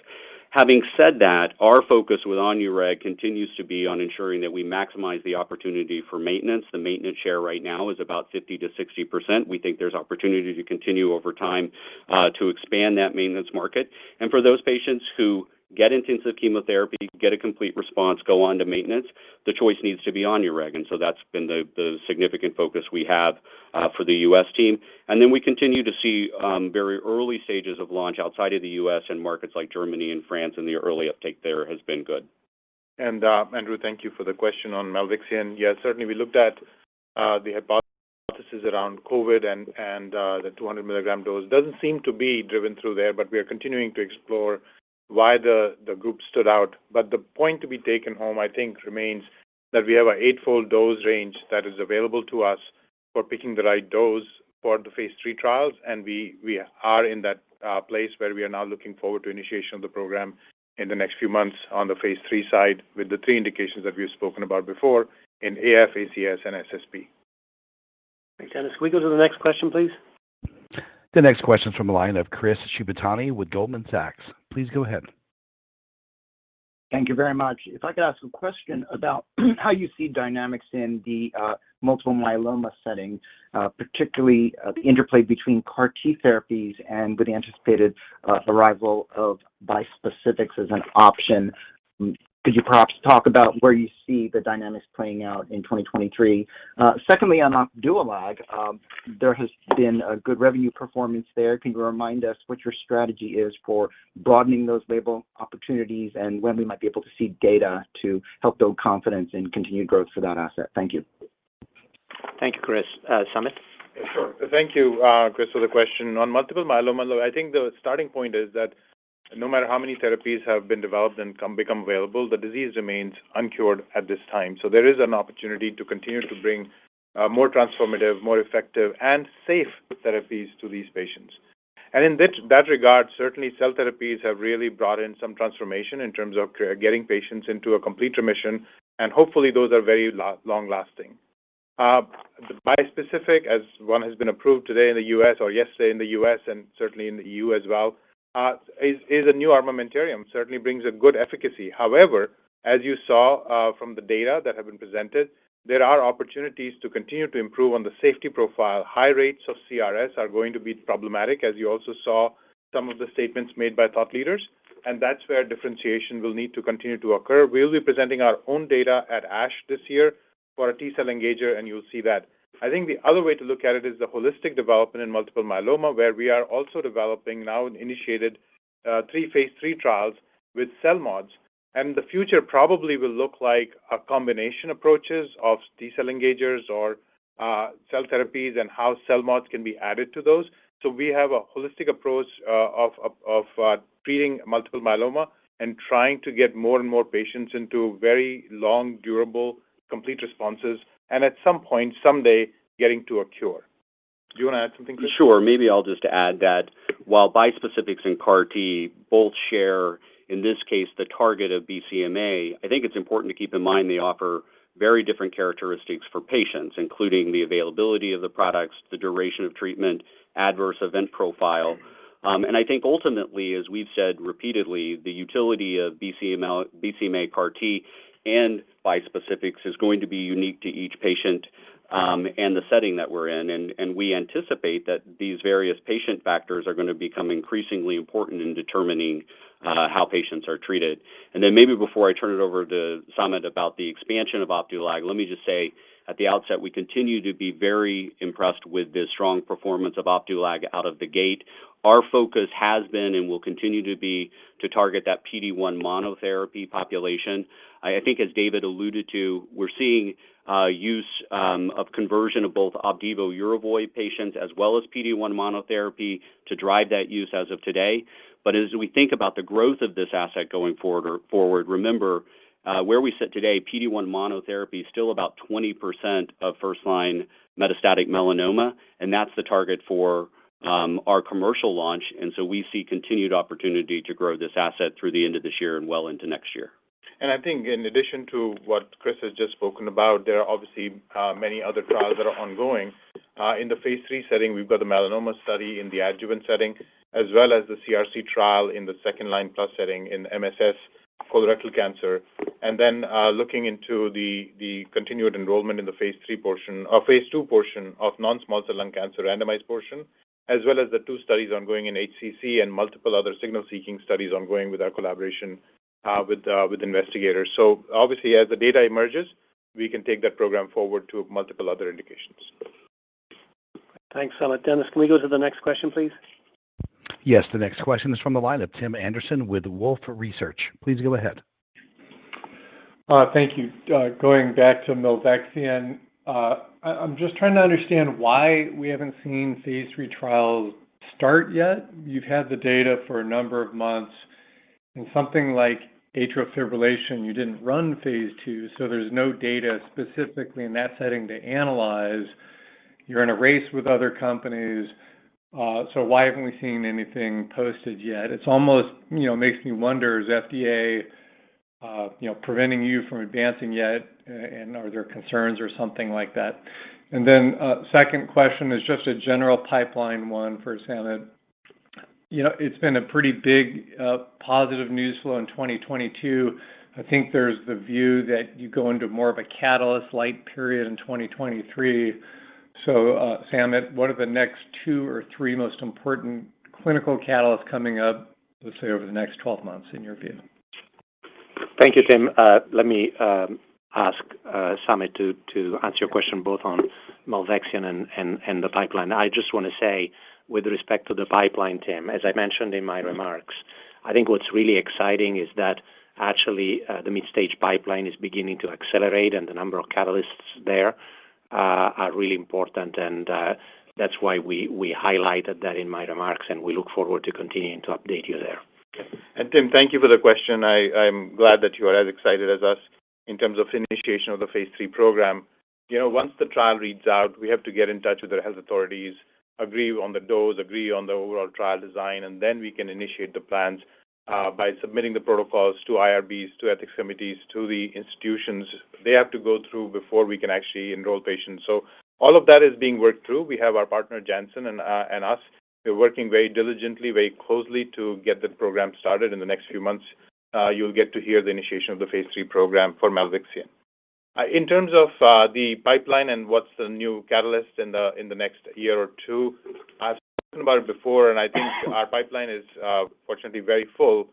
Having said that, our focus with Onureg continues to be on ensuring that we maximize the opportunity for maintenance. The maintenance share right now is about 50%-60%. We think there's opportunity to continue over time to expand that maintenance market. For those patients who get intensive chemotherapy, get a complete response, go on to maintenance, the choice needs to be Onureg. That's been the significant focus we have for the U.S. team. We continue to see very early stages of launch outside of the U.S. in markets like Germany and France, and the early uptake there has been good. Andrew, thank you for the question on milvexian. Yes, certainly, we looked at the hypothesis around COVID and the 200 milligram dose. Doesn't seem to be driven through there, but we are continuing to explore why the group stood out. The point to be taken home, I think, remains that we have an eight-fold dose range that is available to us for picking the right dose for the phase 3 trials, and we are in that place where we are now looking forward to initiation of the program in the next few months on the phase 3 side with the three indications that we've spoken about before in AF, ACS and SSP. Dennis, can we go to the next question, please? The next question is from the line of Chris Shibutani with Goldman Sachs. Please go ahead. Thank you very much. If I could ask a question about how you see dynamics in the multiple myeloma setting, particularly the interplay between CAR T therapies and with the anticipated arrival of bispecifics as an option. Could you perhaps talk about where you see the dynamics playing out in 2023? Secondly, on Opdualag, there has been a good revenue performance there. Can you remind us what your strategy is for broadening those label opportunities and when we might be able to see data to help build confidence in continued growth for that asset? Thank you. Thank you, Chris. Samit? Sure. Thank you, Chris, for the question. On multiple myeloma, I think the starting point is that no matter how many therapies have been developed and become available, the disease remains uncured at this time. There is an opportunity to continue to bring more transformative, more effective and safe therapies to these patients. In that regard, certainly cell therapies have really brought in some transformation in terms of getting patients into a complete remission, and hopefully, those are very long-lasting. The bispecific, as one has been approved today in the U.S. or yesterday in the U.S. and certainly in the EU as well, is a new armamentarium, certainly brings a good efficacy. However, as you saw, from the data that have been presented, there are opportunities to continue to improve on the safety profile. High rates of CRS are going to be problematic, as you also saw some of the statements made by thought leaders, and that's where differentiation will need to continue to occur. We'll be presenting our own data at ASH this year for a T-cell engager, and you'll see that. I think the other way to look at it is the holistic development in multiple myeloma, where we are also developing now and initiated three phase three trials with cell mods. The future probably will look like a combination approaches of T-cell engagers or cell therapies and how cell mods can be added to those. We have a holistic approach of treating multiple myeloma and trying to get more and more patients into very long, durable, complete responses and at some point, someday, getting to a cure. Do you want to add something, Chris? Sure. Maybe I'll just add that while bispecifics and CAR T both share, in this case, the target of BCMA, I think it's important to keep in mind they offer very different characteristics for patients, including the availability of the products, the duration of treatment, adverse event profile. I think ultimately, as we've said repeatedly, the utility of BCMA CAR T and bispecifics is going to be unique to each patient, and the setting that we're in. We anticipate that these various patient factors are gonna become increasingly important in determining how patients are treated. Then maybe before I turn it over to Samit about the expansion of Opdualag, let me just say at the outset, we continue to be very impressed with the strong performance of Opdualag out of the gate. Our focus has been and will continue to be to target that PD-1 monotherapy population. I think as David alluded to, we're seeing use of conversion of both Opdivo Yervoy patients as well as PD-1 monotherapy to drive that use as of today. As we think about the growth of this asset going forward, remember where we sit today, PD-1 monotherapy is still about 20% of first line metastatic melanoma, and that's the target for our commercial launch. We see continued opportunity to grow this asset through the end of this year and well into next year. I think in addition to what Chris has just spoken about, there are obviously many other trials that are ongoing. In the phase 3 setting, we've got the melanoma study in the adjuvant setting as well as the CRC trial in the second-line plus setting in MSS colorectal cancer, and then looking into the continued enrollment in the phase 3 portion or phase 2 portion of non-small cell lung cancer randomized portion, as well as the two studies ongoing in HCC and multiple other signal-seeking studies ongoing with our collaboration with investigators. Obviously, as the data emerges, we can take that program forward to multiple other indications. Thanks, Samit. Dennis, can we go to the next question, please? Yes. The next question is from the line of Tim Anderson with Wolfe Research. Please go ahead. Thank you. Going back to milvexian, I'm just trying to understand why we haven't seen phase 3 trials start yet. You've had the data for a number of months. In something like atrial fibrillation, you didn't run phase 2, so there's no data specifically in that setting to analyze. You're in a race with other companies, so why haven't we seen anything posted yet? It's almost you know, makes me wonder, is FDA preventing you from advancing yet and are there concerns or something like that? And then, second question is just a general pipeline one for Samit. You know, it's been a pretty big, positive news flow in 2022. I think there's the view that you go into more of a catalyst-light period in 2023. Samit, what are the next two or three most important clinical catalysts coming up, let's say, over the next twelve months in your view? Thank you, Tim. Let me ask Samit to answer your question both on milvexian and the pipeline. I just wanna say with respect to the pipeline, Tim, as I mentioned in my remarks, I think what's really exciting is that actually the mid-stage pipeline is beginning to accelerate, and the number of catalysts there are really important. That's why we highlighted that in my remarks, and we look forward to continuing to update you there. Tim, thank you for the question. I'm glad that you are as excited as us in terms of initiation of the phase three program. You know, once the trial reads out, we have to get in touch with the health authorities, agree on the dose, agree on the overall trial design, and then we can initiate the plans by submitting the protocols to IRBs, to ethics committees, to the institutions they have to go through before we can actually enroll patients. So all of that is being worked through. We have our partner, Janssen, and us, we're working very diligently, very closely to get the program started. In the next few months, you'll get to hear the initiation of the phase three program for milvexian. In terms of the pipeline and what's the new catalyst in the next year or two, I've spoken about it before, and I think our pipeline is fortunately very full.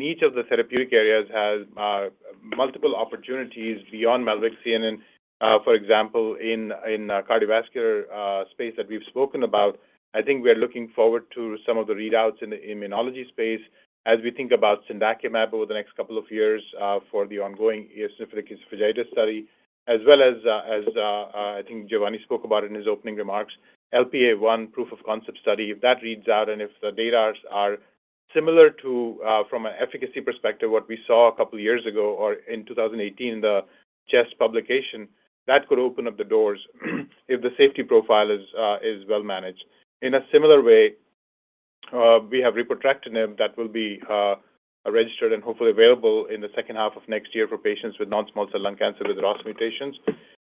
Each of the therapeutic areas has multiple opportunities beyond milvexian. For example, in cardiovascular space that we've spoken about, I think we are looking forward to some of the readouts in the immunology space as we think about cendakimab over the next couple of years for the ongoing eosinophilic esophagitis study. As well as, I think Giovanni spoke about in his opening remarks, LPA1 proof-of-concept study. If that reads out and if the data are similar to from an efficacy perspective what we saw a couple years ago or in 2018, the CHESS publication, that could open up the doors if the safety profile is well managed. In a similar way, we have repotrectinib that will be registered and hopefully available in the second half of next year for patients with non-small cell lung cancer with ROS1 mutations.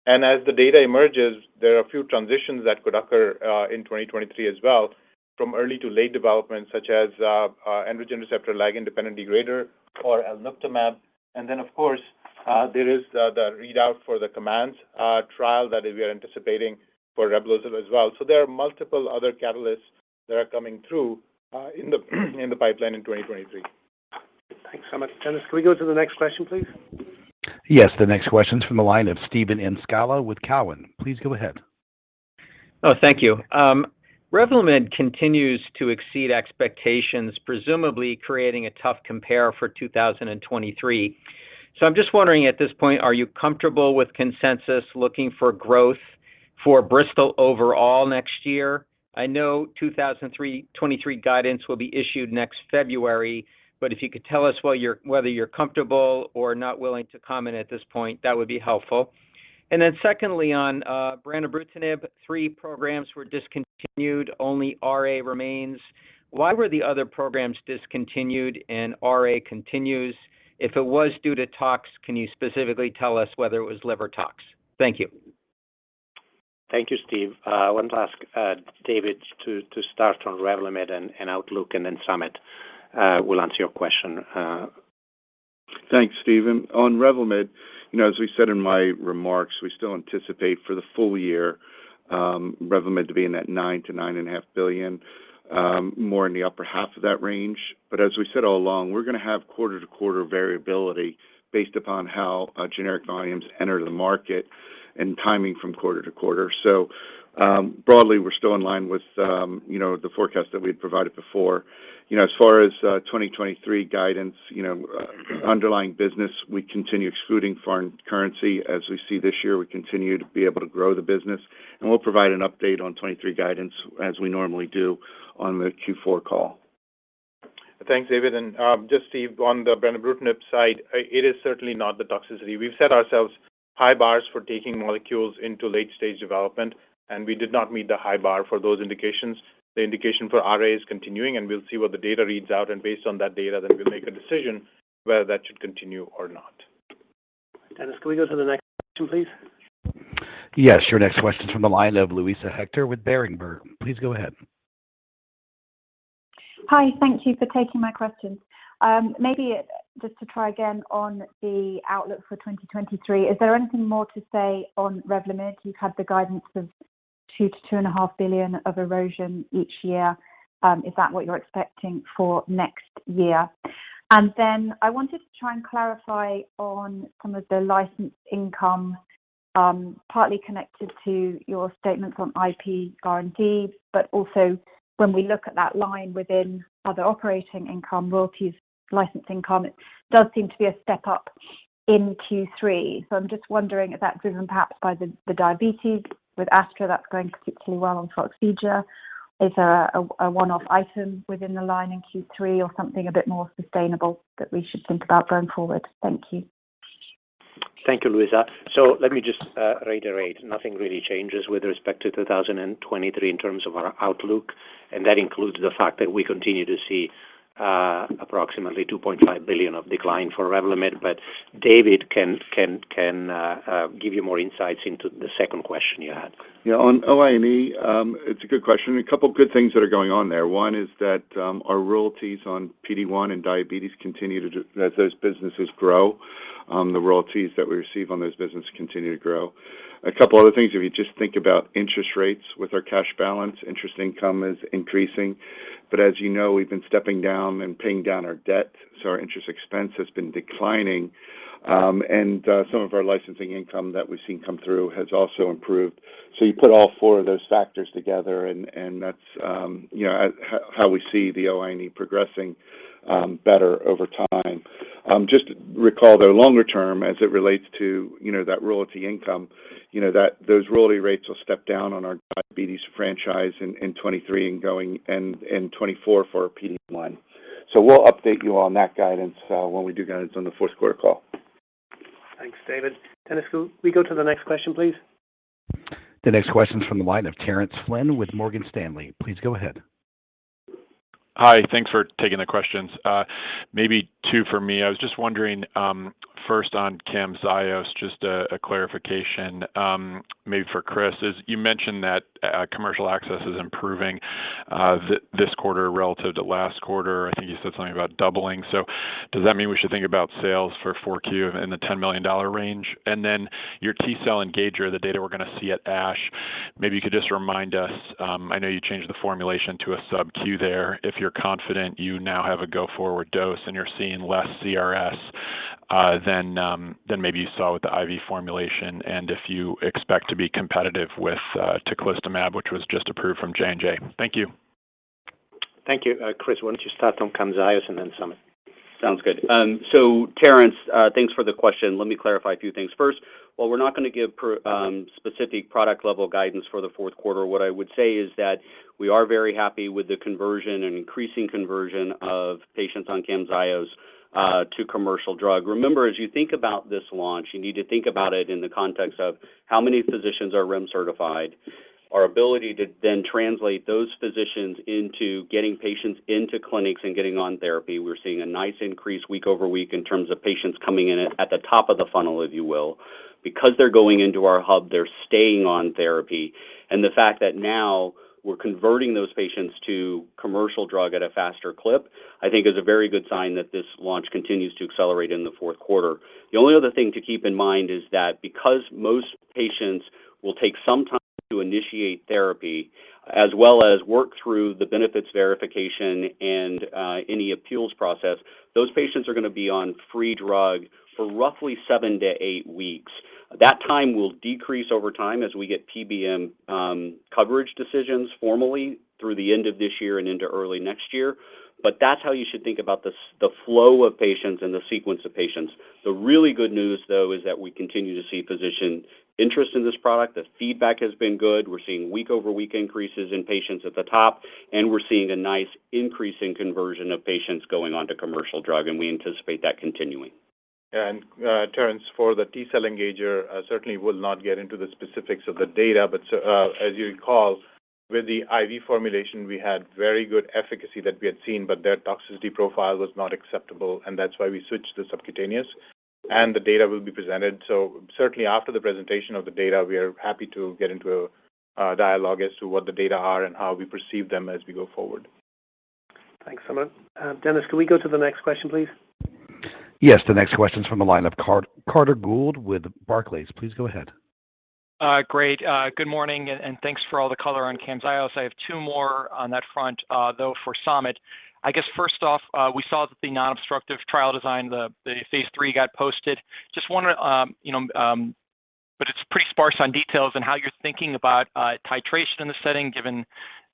As the data emerges, there are a few transitions that could occur in 2023 as well from early to late development, such as androgen receptor ligand independent degrader or Alnuctamab. Of course, there is the readout for the COMMANDS trial that we are anticipating for Reblozyl as well. There are multiple other catalysts that are coming through in the pipeline in 2023. Thanks so much. Dennis, can we go to the next question, please? Yes. The next question's from the line of Steve Scala with Cowen. Please go ahead. Thank you. Revlimid continues to exceed expectations, presumably creating a tough compare for 2023. I'm just wondering at this point, are you comfortable with consensus looking for growth for Bristol overall next year? I know 2023 guidance will be issued next February, but if you could tell us whether you're comfortable or not willing to comment at this point, that would be helpful. Secondly, on branebrutinib, three programs were discontinued, only RA remains. Why were the other programs discontinued and RA continues? If it was due to tox, can you specifically tell us whether it was liver tox? Thank you. Thank you, Steve. I wanted to ask David to start on Revlimid and outlook, and then Samit will answer your question. Thanks, Steve. On Revlimid, you know, as we said in my remarks, we still anticipate for the full year, Revlimid to be in that $9 billion-$9.5 billion, more in the upper half of that range. As we said all along, we're gonna have quarter-to-quarter variability based upon how generic volumes enter the market and timing from quarter to quarter. Broadly, we're still in line with, you know, the forecast that we had provided before. You know, as far as 2023 guidance, you know, underlying business, we continue excluding foreign currency. As we see this year, we continue to be able to grow the business, and we'll provide an update on 2023 guidance as we normally do on the Q4 call. Thanks, David. Just Steve, on the branebrutinib side, it is certainly not the toxicity. We've set ourselves. High bars for taking molecules into late-stage development, and we did not meet the high bar for those indications. The indication for RA is continuing, and we'll see what the data reads out. Based on that data, then we'll make a decision whether that should continue or not. Dennis, can we go to the next question, please? Yes. Your next question's from the line of Luisa Hector with Berenberg. Please go ahead. Hi. Thank you for taking my questions. Maybe just to try again on the outlook for 2023. Is there anything more to say on Revlimid? You've had the guidance of $2 billion-$2.5 billion of erosion each year. Is that what you're expecting for next year? And then I wanted to try and clarify on some of the licensed income, partly connected to your statements on IP guarantees, but also when we look at that line within other operating income royalties license income, it does seem to be a step up in Q3. I'm just wondering if that's driven perhaps by the diabetes with AstraZeneca that's going particularly well on Farxiga is a one-off item within the line in Q3 or something a bit more sustainable that we should think about going forward. Thank you. Thank you, Luisa. Let me just reiterate, nothing really changes with respect to 2023 in terms of our outlook, and that includes the fact that we continue to see approximately $2.5 billion of decline for Revlimid. David can give you more insights into the second question you had. Yeah. On OI&E, it's a good question. A couple good things that are going on there. One is that our royalties on PD-1 and diabetes continue to grow as those businesses grow, the royalties that we receive on those business continue to grow. A couple other things, if you just think about interest rates with our cash balance, interest income is increasing. As you know, we've been stepping down and paying down our debt, so our interest expense has been declining. Some of our licensing income that we've seen come through has also improved. You put all four of those factors together and that's, you know, how we see the OI&E progressing better over time. Just recall though longer term as it relates to, you know, that royalty income, you know, that those royalty rates will step down on our diabetes franchise in 2023 and going in 2024 for PD-1. We'll update you on that guidance when we do guidance on the fourth quarter call. Thanks, David. Dennis, could we go to the next question, please? The next question's from the line of Terence Flynn with Morgan Stanley. Please go ahead. Hi. Thanks for taking the questions. Maybe two for me. I was just wondering, first on Camzyos, just a clarification, maybe for Chris, as you mentioned that, commercial access is improving, this quarter relative to last quarter. I think you said something about doubling. Does that mean we should think about sales for 4Q in the $10 million range? And then your T-cell engager, the data we're gonna see at ASH, maybe you could just remind us, I know you changed the formulation to a subQ there, if you're confident you now have a go forward dose and you're seeing less CRS, than maybe you saw with the IV formulation, and if you expect to be competitive with, teclistamab, which was just approved from J&J. Thank you. Thank you. Chris, why don't you start on Camzyos and then Samit? Sounds good. Terrence, thanks for the question. Let me clarify a few things. First, while we're not gonna give specific product level guidance for the fourth quarter, what I would say is that we are very happy with the conversion and increasing conversion of patients on Camzyos to commercial drug. Remember, as you think about this launch, you need to think about it in the context of how many physicians are REMS certified, our ability to then translate those physicians into getting patients into clinics and getting on therapy. We're seeing a nice increase week over week in terms of patients coming in at the top of the funnel, if you will. Because they're going into our hub, they're staying on therapy. The fact that now we're converting those patients to commercial drug at a faster clip, I think is a very good sign that this launch continues to accelerate in the fourth quarter. The only other thing to keep in mind is that because most patients will take some time to initiate therapy, as well as work through the benefits verification and any appeals process, those patients are gonna be on free drug for roughly seven to eight weeks. That time will decrease over time as we get PBM coverage decisions formally through the end of this year and into early next year. That's how you should think about the flow of patients and the sequence of patients. The really good news, though, is that we continue to see physician interest in this product. The feedback has been good. We're seeing week-over-week increases in patients at the top, and we're seeing a nice increase in conversion of patients going onto commercial drug, and we anticipate that continuing. Terence, for the T-cell engager, certainly will not get into the specifics of the data, but so, as you recall, with the IV formulation, we had very good efficacy that we had seen, but their toxicity profile was not acceptable, and that's why we switched to subcutaneous. The data will be presented. Certainly after the presentation of the data, we are happy to get into a dialogue as to what the data are and how we perceive them as we go forward. Thanks, Samit. Dennis, can we go to the next question, please? Yes. The next question's from the line of Carter Gould with Barclays. Please go ahead. Great. Good morning and thanks for all the color on Camzyos. I have two more on that front, though for Samit. I guess first off, we saw that the non-obstructive trial design, the phase 3 got posted. Just wondering, you know, but it's pretty sparse on details and how you're thinking about titration in the setting, given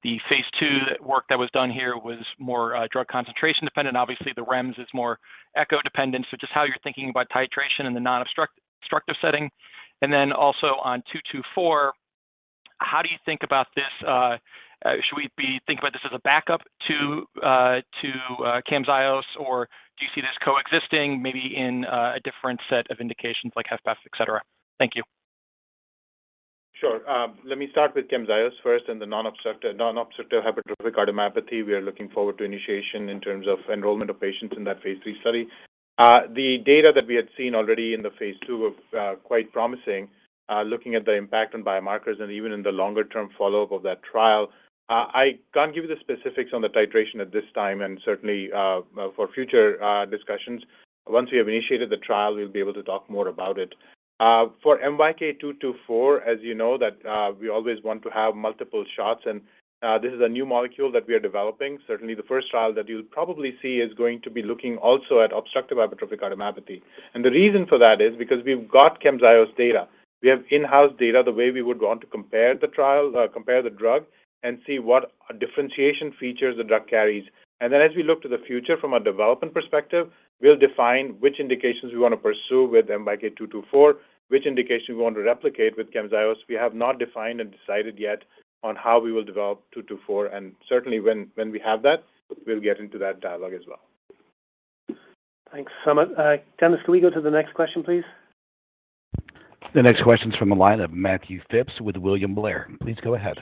the phase 2 work that was done here was more drug concentration dependent. Obviously, the REMS is more echo dependent, so just how you're thinking about titration in the non-obstructive setting. And then also on MYK-224. How do you think about this? Should we be thinking about this as a backup to Camzyos, or do you see this coexisting maybe in a different set of indications like HFpEF, et cetera? Thank you. Sure. Let me start with Camzyos first and the non-obstructive hypertrophic cardiomyopathy. We are looking forward to initiation in terms of enrollment of patients in that phase 3 study. The data that we had seen already in the phase 2 were quite promising, looking at the impact on biomarkers and even in the longer-term follow-up of that trial. I can't give you the specifics on the titration at this time and certainly for future discussions. Once we have initiated the trial, we'll be able to talk more about it. For MYK-224, as you know that we always want to have multiple shots, and this is a new molecule that we are developing. Certainly, the first trial that you'll probably see is going to be looking also at obstructive hypertrophic cardiomyopathy. The reason for that is because we've got Camzyos data. We have in-house data, the way we would want to compare the drug and see what differentiation features the drug carries. As we look to the future from a development perspective, we'll define which indications we want to pursue with MYK-224, which indication we want to replicate with Camzyos. We have not defined and decided yet on how we will develop 224. Certainly when we have that, we'll get into that dialogue as well. Thanks, Samit. Dennis, can we go to the next question, please? The next question is from the line of Matthew Phipps with William Blair. Please go ahead.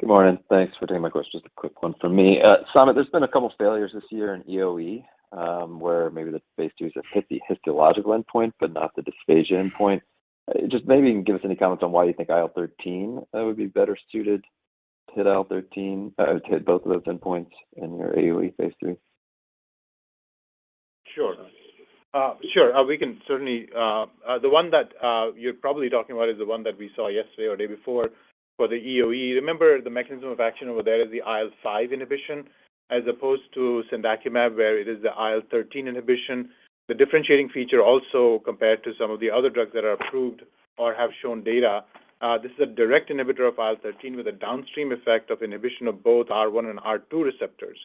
Good morning. Thanks for taking my questions. A quick one from me. Samit, there's been a couple of failures this year in EoE, where maybe the phase 2s have hit the histological endpoint, but not the dysphagia endpoint. Just maybe you can give us any comments on why you think IL-13 would be better suited to hit IL-13 to hit both of those endpoints in your EoE phase 3. Sure. The one that you're probably talking about is the one that we saw yesterday or day before for the EoE. Remember, the mechanism of action over there is the IL-5 inhibition, as opposed to cendakimab, where it is the IL-13 inhibition. The differentiating feature also compared to some of the other drugs that are approved or have shown data, this is a direct inhibitor of IL-13 with a downstream effect of inhibition of both R 1 and R 2 receptors.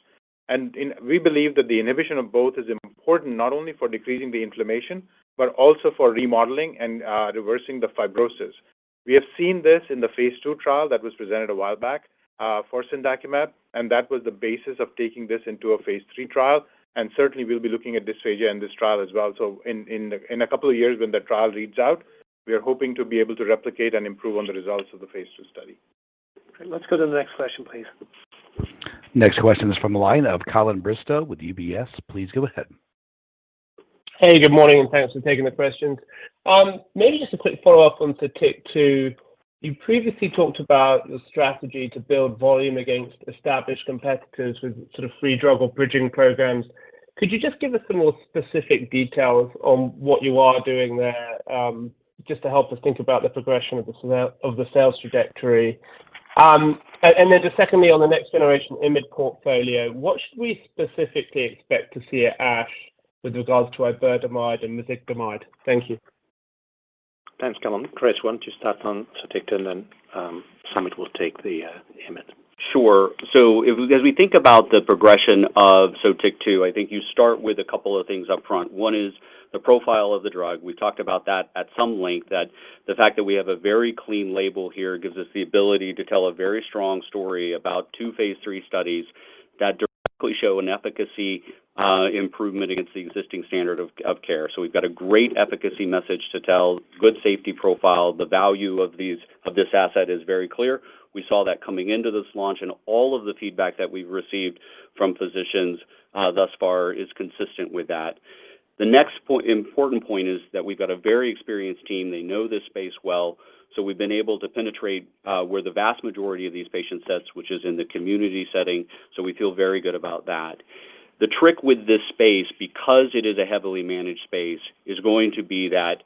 We believe that the inhibition of both is important not only for decreasing the inflammation, but also for remodeling and reversing the fibrosis. We have seen this in the phase 2 trial that was presented a while back for cendakimab, and that was the basis of taking this into a phase 3 trial. Certainly, we'll be looking at dysphagia in this trial as well. In a couple of years when the trial reads out, we are hoping to be able to replicate and improve on the results of the phase two study. Let's go to the next question, please. Next question is from the line of Colin Bristow with UBS. Please go ahead. Hey, good morning, and thanks for taking the questions. Maybe just a quick follow-up on Sotyktu. You previously talked about the strategy to build volume against established competitors with sort of free drug or bridging programs. Could you just give us some more specific details on what you are doing there, just to help us think about the progression of the sales trajectory? And then just secondly, on the next generation IMiD portfolio, what should we specifically expect to see at ASH with regards to iberdomide and mezigdomide? Thank you. Thanks, Colin. Chris, why don't you start on Sotyktu, and then, Samit will take the IMiD. Sure. As we think about the progression of Sotyktu, I think you start with a couple of things up front. One is the profile of the drug. We've talked about that at some length, that the fact that we have a very clean label here gives us the ability to tell a very strong story about two phase 3 studies that directly show an efficacy improvement against the existing standard of care. We've got a great efficacy message to tell, good safety profile. The value of this asset is very clear. We saw that coming into this launch, and all of the feedback that we've received from physicians thus far is consistent with that. The next important point is that we've got a very experienced team. They know this space well. We've been able to penetrate where the vast majority of these patient sets, which is in the community setting, so we feel very good about that. The trick with this space, because it is a heavily managed space, is going to be that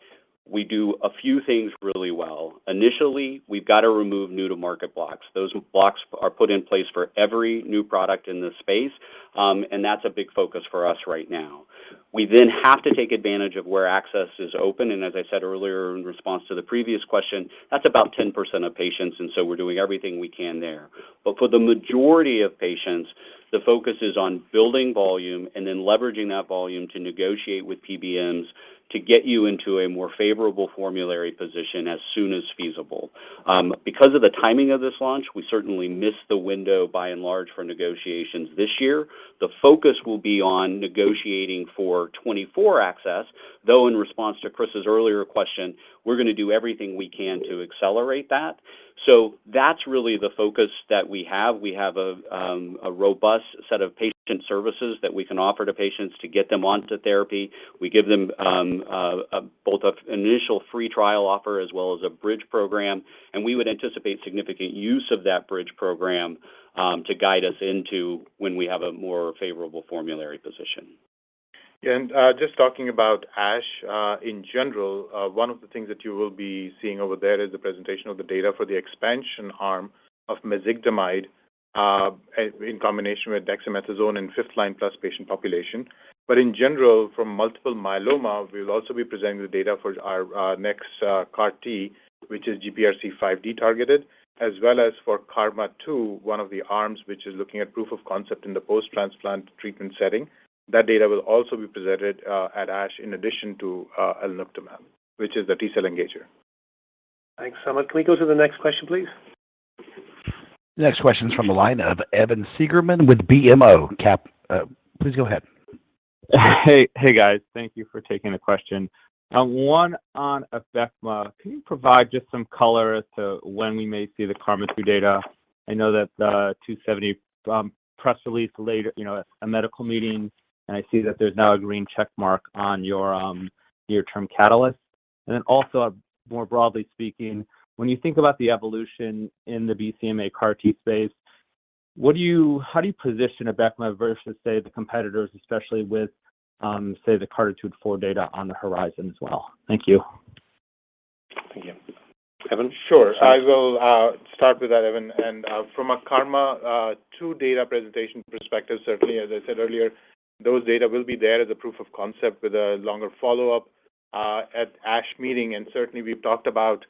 we do a few things really well. Initially, we've got to remove new-to-market blocks. Those blocks are put in place for every new product in this space, and that's a big focus for us right now. We then have to take advantage of where access is open. As I said earlier in response to the previous question, that's about 10% of patients, and so we're doing everything we can there. For the majority of patients, the focus is on building volume and then leveraging that volume to negotiate with PBMs to get you into a more favorable formulary position as soon as feasible. Because of the timing of this launch, we certainly missed the window by and large for negotiations this year. The focus will be on negotiating for 2024 access, though in response to Chris's earlier question, we're going to do everything we can to accelerate that. That's really the focus that we have. We have a robust set of patient services that we can offer to patients to get them onto therapy. We give them both an initial free trial offer as well as a bridge program, and we would anticipate significant use of that bridge program to guide us into when we have a more favorable formulary position. Just talking about ASH in general, one of the things that you will be seeing over there is the presentation of the data for the expansion arm of mezigdomide in combination with dexamethasone in fifth line plus patient population. In general, from multiple myeloma, we'll also be presenting the data for our next CAR T, which is GPRC5D targeted, as well as for KarMMa-2, one of the arms which is looking at proof of concept in the post-transplant treatment setting. That data will also be presented at ASH in addition to alnuctamab, which is the T-cell engager. Thanks, Samit. Can we go to the next question, please? The next question is from the line of Evan Seigerman with BMO Cap. Please go ahead. Hey, hey guys. Thank you for taking the question. One on Abecma. Can you provide just some color as to when we may see the KarMMa-2 data? I know that the 2seventy press release you know a medical meeting, and I see that there's now a green check mark on your near-term catalyst. Then also, more broadly speaking, when you think about the evolution in the BCMA CAR T space, how do you position Abecma versus, say, the competitors, especially with say the CARTITUDE-4 data on the horizon as well? Thank you. Thank you. Evan? Sure. I will start with that, Evan. From a KarMMa-2 data presentation perspective, certainly, as I said earlier, those data will be there as a proof of concept with a longer follow-up at ASH meeting. Certainly, we've talked about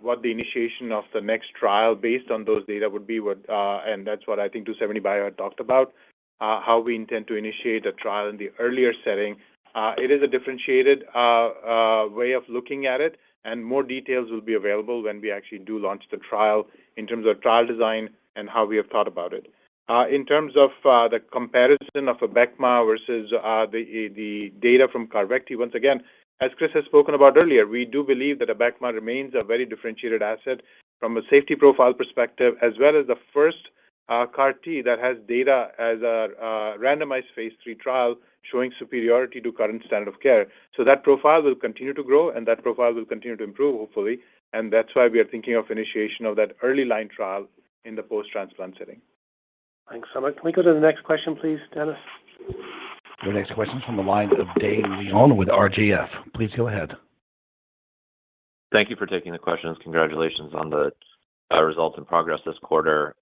what the initiation of the next trial based on those data would be worth. That's what I think 2seventy bio talked about, how we intend to initiate a trial in the earlier setting. It is a differentiated way of looking at it, and more details will be available when we actually do launch the trial in terms of trial design and how we have thought about it. In terms of the comparison of Abecma versus the data from Carvykti, once again, as Chris has spoken about earlier, we do believe that Abecma remains a very differentiated asset from a safety profile perspective as well as the first CAR T that has data as a randomized phase 3 trial showing superiority to current standard of care. That profile will continue to grow, and that profile will continue to improve, hopefully. That's why we are thinking of initiation of that early line trial in the post-transplant setting. Thanks so much. Can we go to the next question, please, Dennis? The next question is from the line of Dae Gon Ha with Stifel. Please go ahead. Thank you for taking the questions. Congratulations on the results and progress this quarter.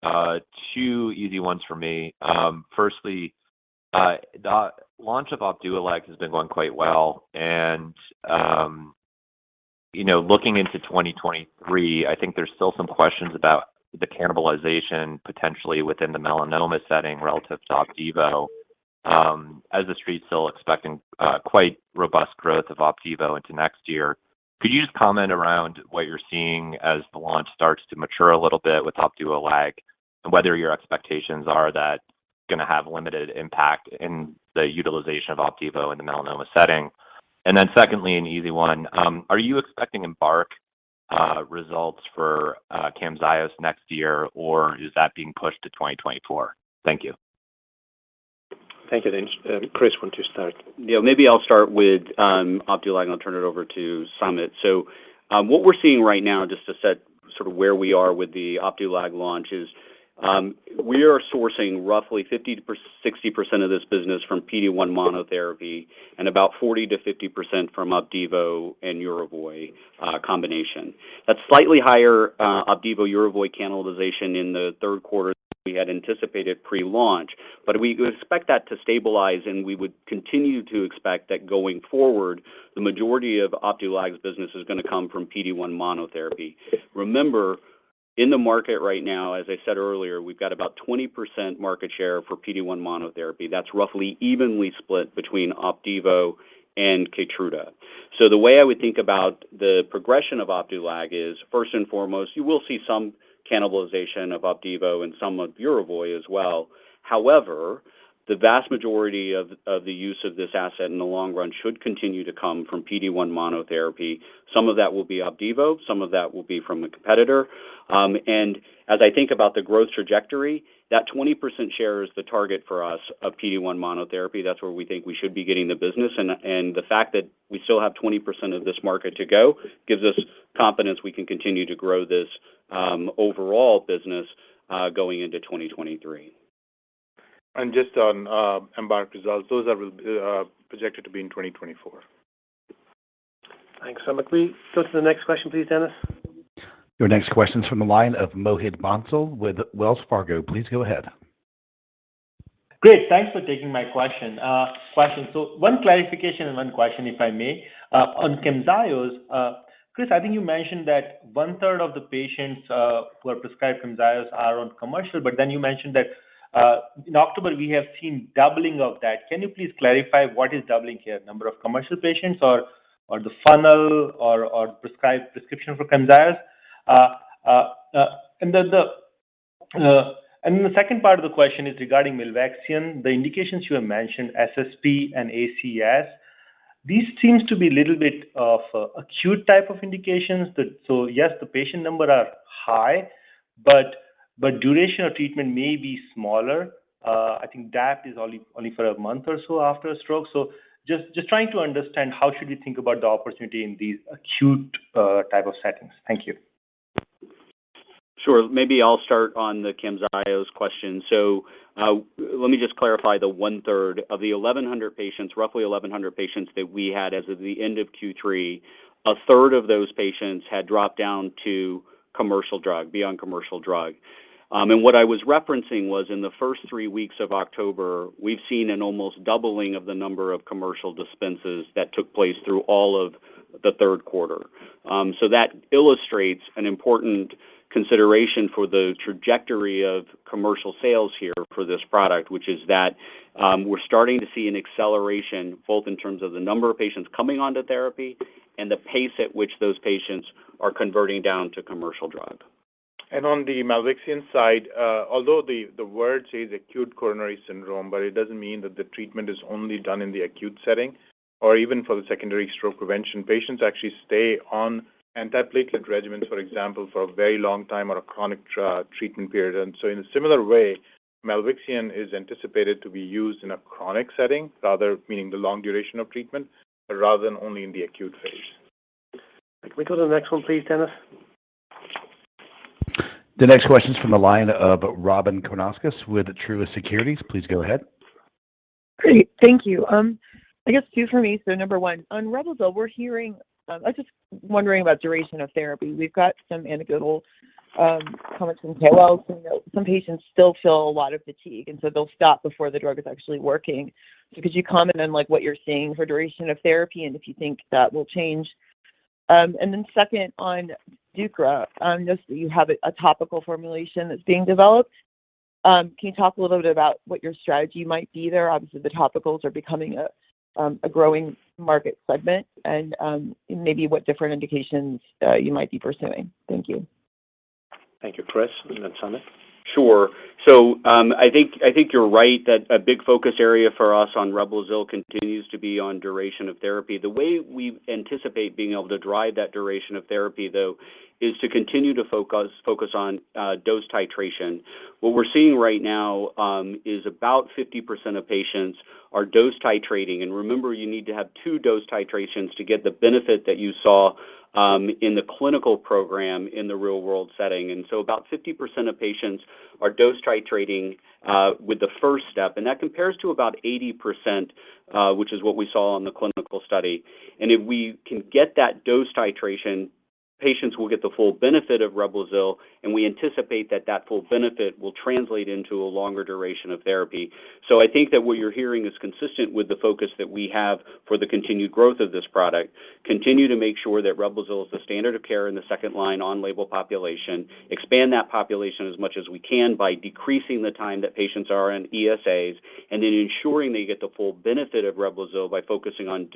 Two easy ones for me. Firstly, the launch of Opdualag has been going quite well. You know, looking into 2023, I think there's still some questions about the cannibalization potentially within the melanoma setting relative to Opdivo, as the street's still expecting quite robust growth of Opdivo into next year. Could you just comment around what you're seeing as the launch starts to mature a little bit with Opdualag and whether your expectations are that it's going to have limited impact in the utilization of Opdivo in the melanoma setting? Secondly, an easy one. Are you expecting EMBARK results for Camzyos next year, or is that being pushed to 2024? Thank you. Thank you, Dae. Chris, want to start? Yeah, maybe I'll start with Opdualag, and I'll turn it over to Samit. What we're seeing right now, just to set sort of where we are with the Opdualag launch, is we are sourcing roughly 50%-60% of this business from PD-1 monotherapy and about 40%-50% from Opdivo and Yervoy combination. That's slightly higher Opdivo-Yervoy cannibalization in the third quarter than we had anticipated pre-launch. We expect that to stabilize, and we would continue to expect that going forward, the majority of Opdualag's business is going to come from PD-1 monotherapy. Remember, in the market right now, as I said earlier, we've got about 20% market share for PD-1 monotherapy. That's roughly evenly split between Opdivo and Keytruda. The way I would think about the progression of Opdualag is, first and foremost, you will see some cannibalization of Opdivo and some of Yervoy as well. However, the vast majority of the use of this asset in the long run should continue to come from PD-1 monotherapy. Some of that will be Opdivo, some of that will be from a competitor. As I think about the growth trajectory, that 20% share is the target for us of PD-1 monotherapy. That's where we think we should be getting the business, and the fact that we still have 20% of this market to go gives us confidence we can continue to grow this overall business going into 2023. Just on EMBARK results, those are projected to be in 2024. Thanks so much. Can we go to the next question, please, Dennis? Your next question is from the line of Mohit Bansal with Wells Fargo. Please go ahead. Great. Thanks for taking my question. Question, so one clarification and one question, if I may. On Camzyos, Chris, I think you mentioned that one-third of the patients who are prescribed Camzyos are on commercial, but then you mentioned that in October, we have seen doubling of that. Can you please clarify what is doubling here? Number of commercial patients or the funnel or prescription for Camzyos? And then the second part of the question is regarding milvexian. The indications you have mentioned, SSP and ACS, these seem to be a little bit of acute type of indications. So yes, the patient numbers are high, but duration of treatment may be smaller. I think that is only for a month or so after a stroke. Just trying to understand how should you think about the opportunity in these acute type of settings. Thank you. Sure. Maybe I'll start on the Camzyos question. Let me just clarify the one-third. Of the roughly 1,100 patients that we had as of the end of Q3, a third of those patients had dropped down to commercial drug, be on commercial drug. What I was referencing was in the first three weeks of October, we've seen an almost doubling of the number of commercial dispenses that took place through all of the third quarter. That illustrates an important consideration for the trajectory of commercial sales here for this product, which is that we're starting to see an acceleration, both in terms of the number of patients coming onto therapy and the pace at which those patients are converting down to commercial drug. On the milvexian side, although the word says acute coronary syndrome, but it doesn't mean that the treatment is only done in the acute setting or even for the secondary stroke prevention. Patients actually stay on antiplatelet regimens, for example, for a very long time or a chronic treatment period. In a similar way, milvexian is anticipated to be used in a chronic setting rather meaning the long duration of treatment, rather than only in the acute phase. Can we go to the next one please, Dennis? The next question is from the line of Robyn Karnauskas with Truist Securities. Please go ahead. Great. Thank you. I guess two for me. Number one, on Reblozyl, we're hearing. I was just wondering about duration of therapy. We've got some anecdotal comments from KOLs saying that some patients still feel a lot of fatigue, and so they'll stop before the drug is actually working. Could you comment on, like, what you're seeing for duration of therapy, and if you think that will change? And then 2nd, on Sotyktu, just you have a topical formulation that's being developed. Can you talk a little bit about what your strategy might be there? Obviously, the topicals are becoming a growing market segment, and maybe what different indications you might be pursuing. Thank you. Thank you. Chris, and then Samit. Sure. I think you're right that a big focus area for us on Reblozyl continues to be on duration of therapy. The way we anticipate being able to drive that duration of therapy, though, is to continue to focus on dose titration. What we're seeing right now is about 50% of patients are dose titrating. Remember, you need to have two dose titrations to get the benefit that you saw in the clinical program in the real-world setting. About 50% of patients are dose titrating with the first step, and that compares to about 80%, which is what we saw on the clinical study. If we can get that dose titration, patients will get the full benefit of Reblozyl, and we anticipate that that full benefit will translate into a longer duration of therapy. I think that what you're hearing is consistent with the focus that we have for the continued growth of this product. Continue to make sure that Reblozyl is the standard of care in the second line on-label population, expand that population as much as we can by decreasing the time that patients are on ESAs, and then ensuring they get the full benefit of Reblozyl by focusing on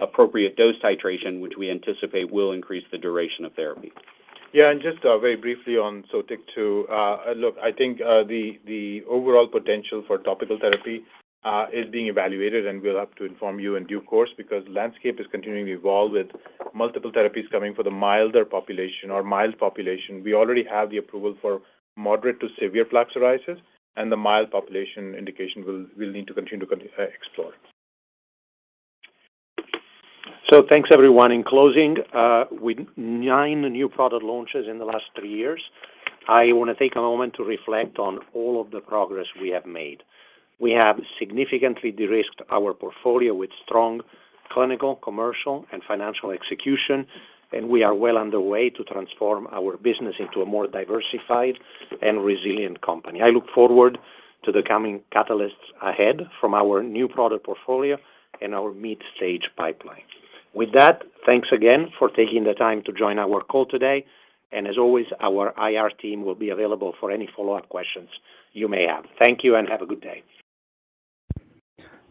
appropriate dose titration, which we anticipate will increase the duration of therapy. Yeah. Just very briefly on Sotyktu too. Look, I think the overall potential for topical therapy is being evaluated, and we'll have to inform you in due course because the landscape is continuing to evolve with multiple therapies coming for the milder population or mild population. We already have the approval for moderate to severe plaque psoriasis, and the mild population indication, we'll need to continue to explore. Thanks everyone. In closing, with nine new product launches in the last three years, I wanna take a moment to reflect on all of the progress we have made. We have significantly de-risked our portfolio with strong clinical, commercial, and financial execution, and we are well underway to transform our business into a more diversified and resilient company. I look forward to the coming catalysts ahead from our new product portfolio and our mid-stage pipeline. With that, thanks again for taking the time to join our call today, and as always, our IR team will be available for any follow-up questions you may have. Thank you, and have a good day.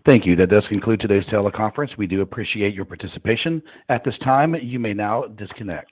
Thank you. That does conclude today's teleconference. We do appreciate your participation. At this time, you may now disconnect.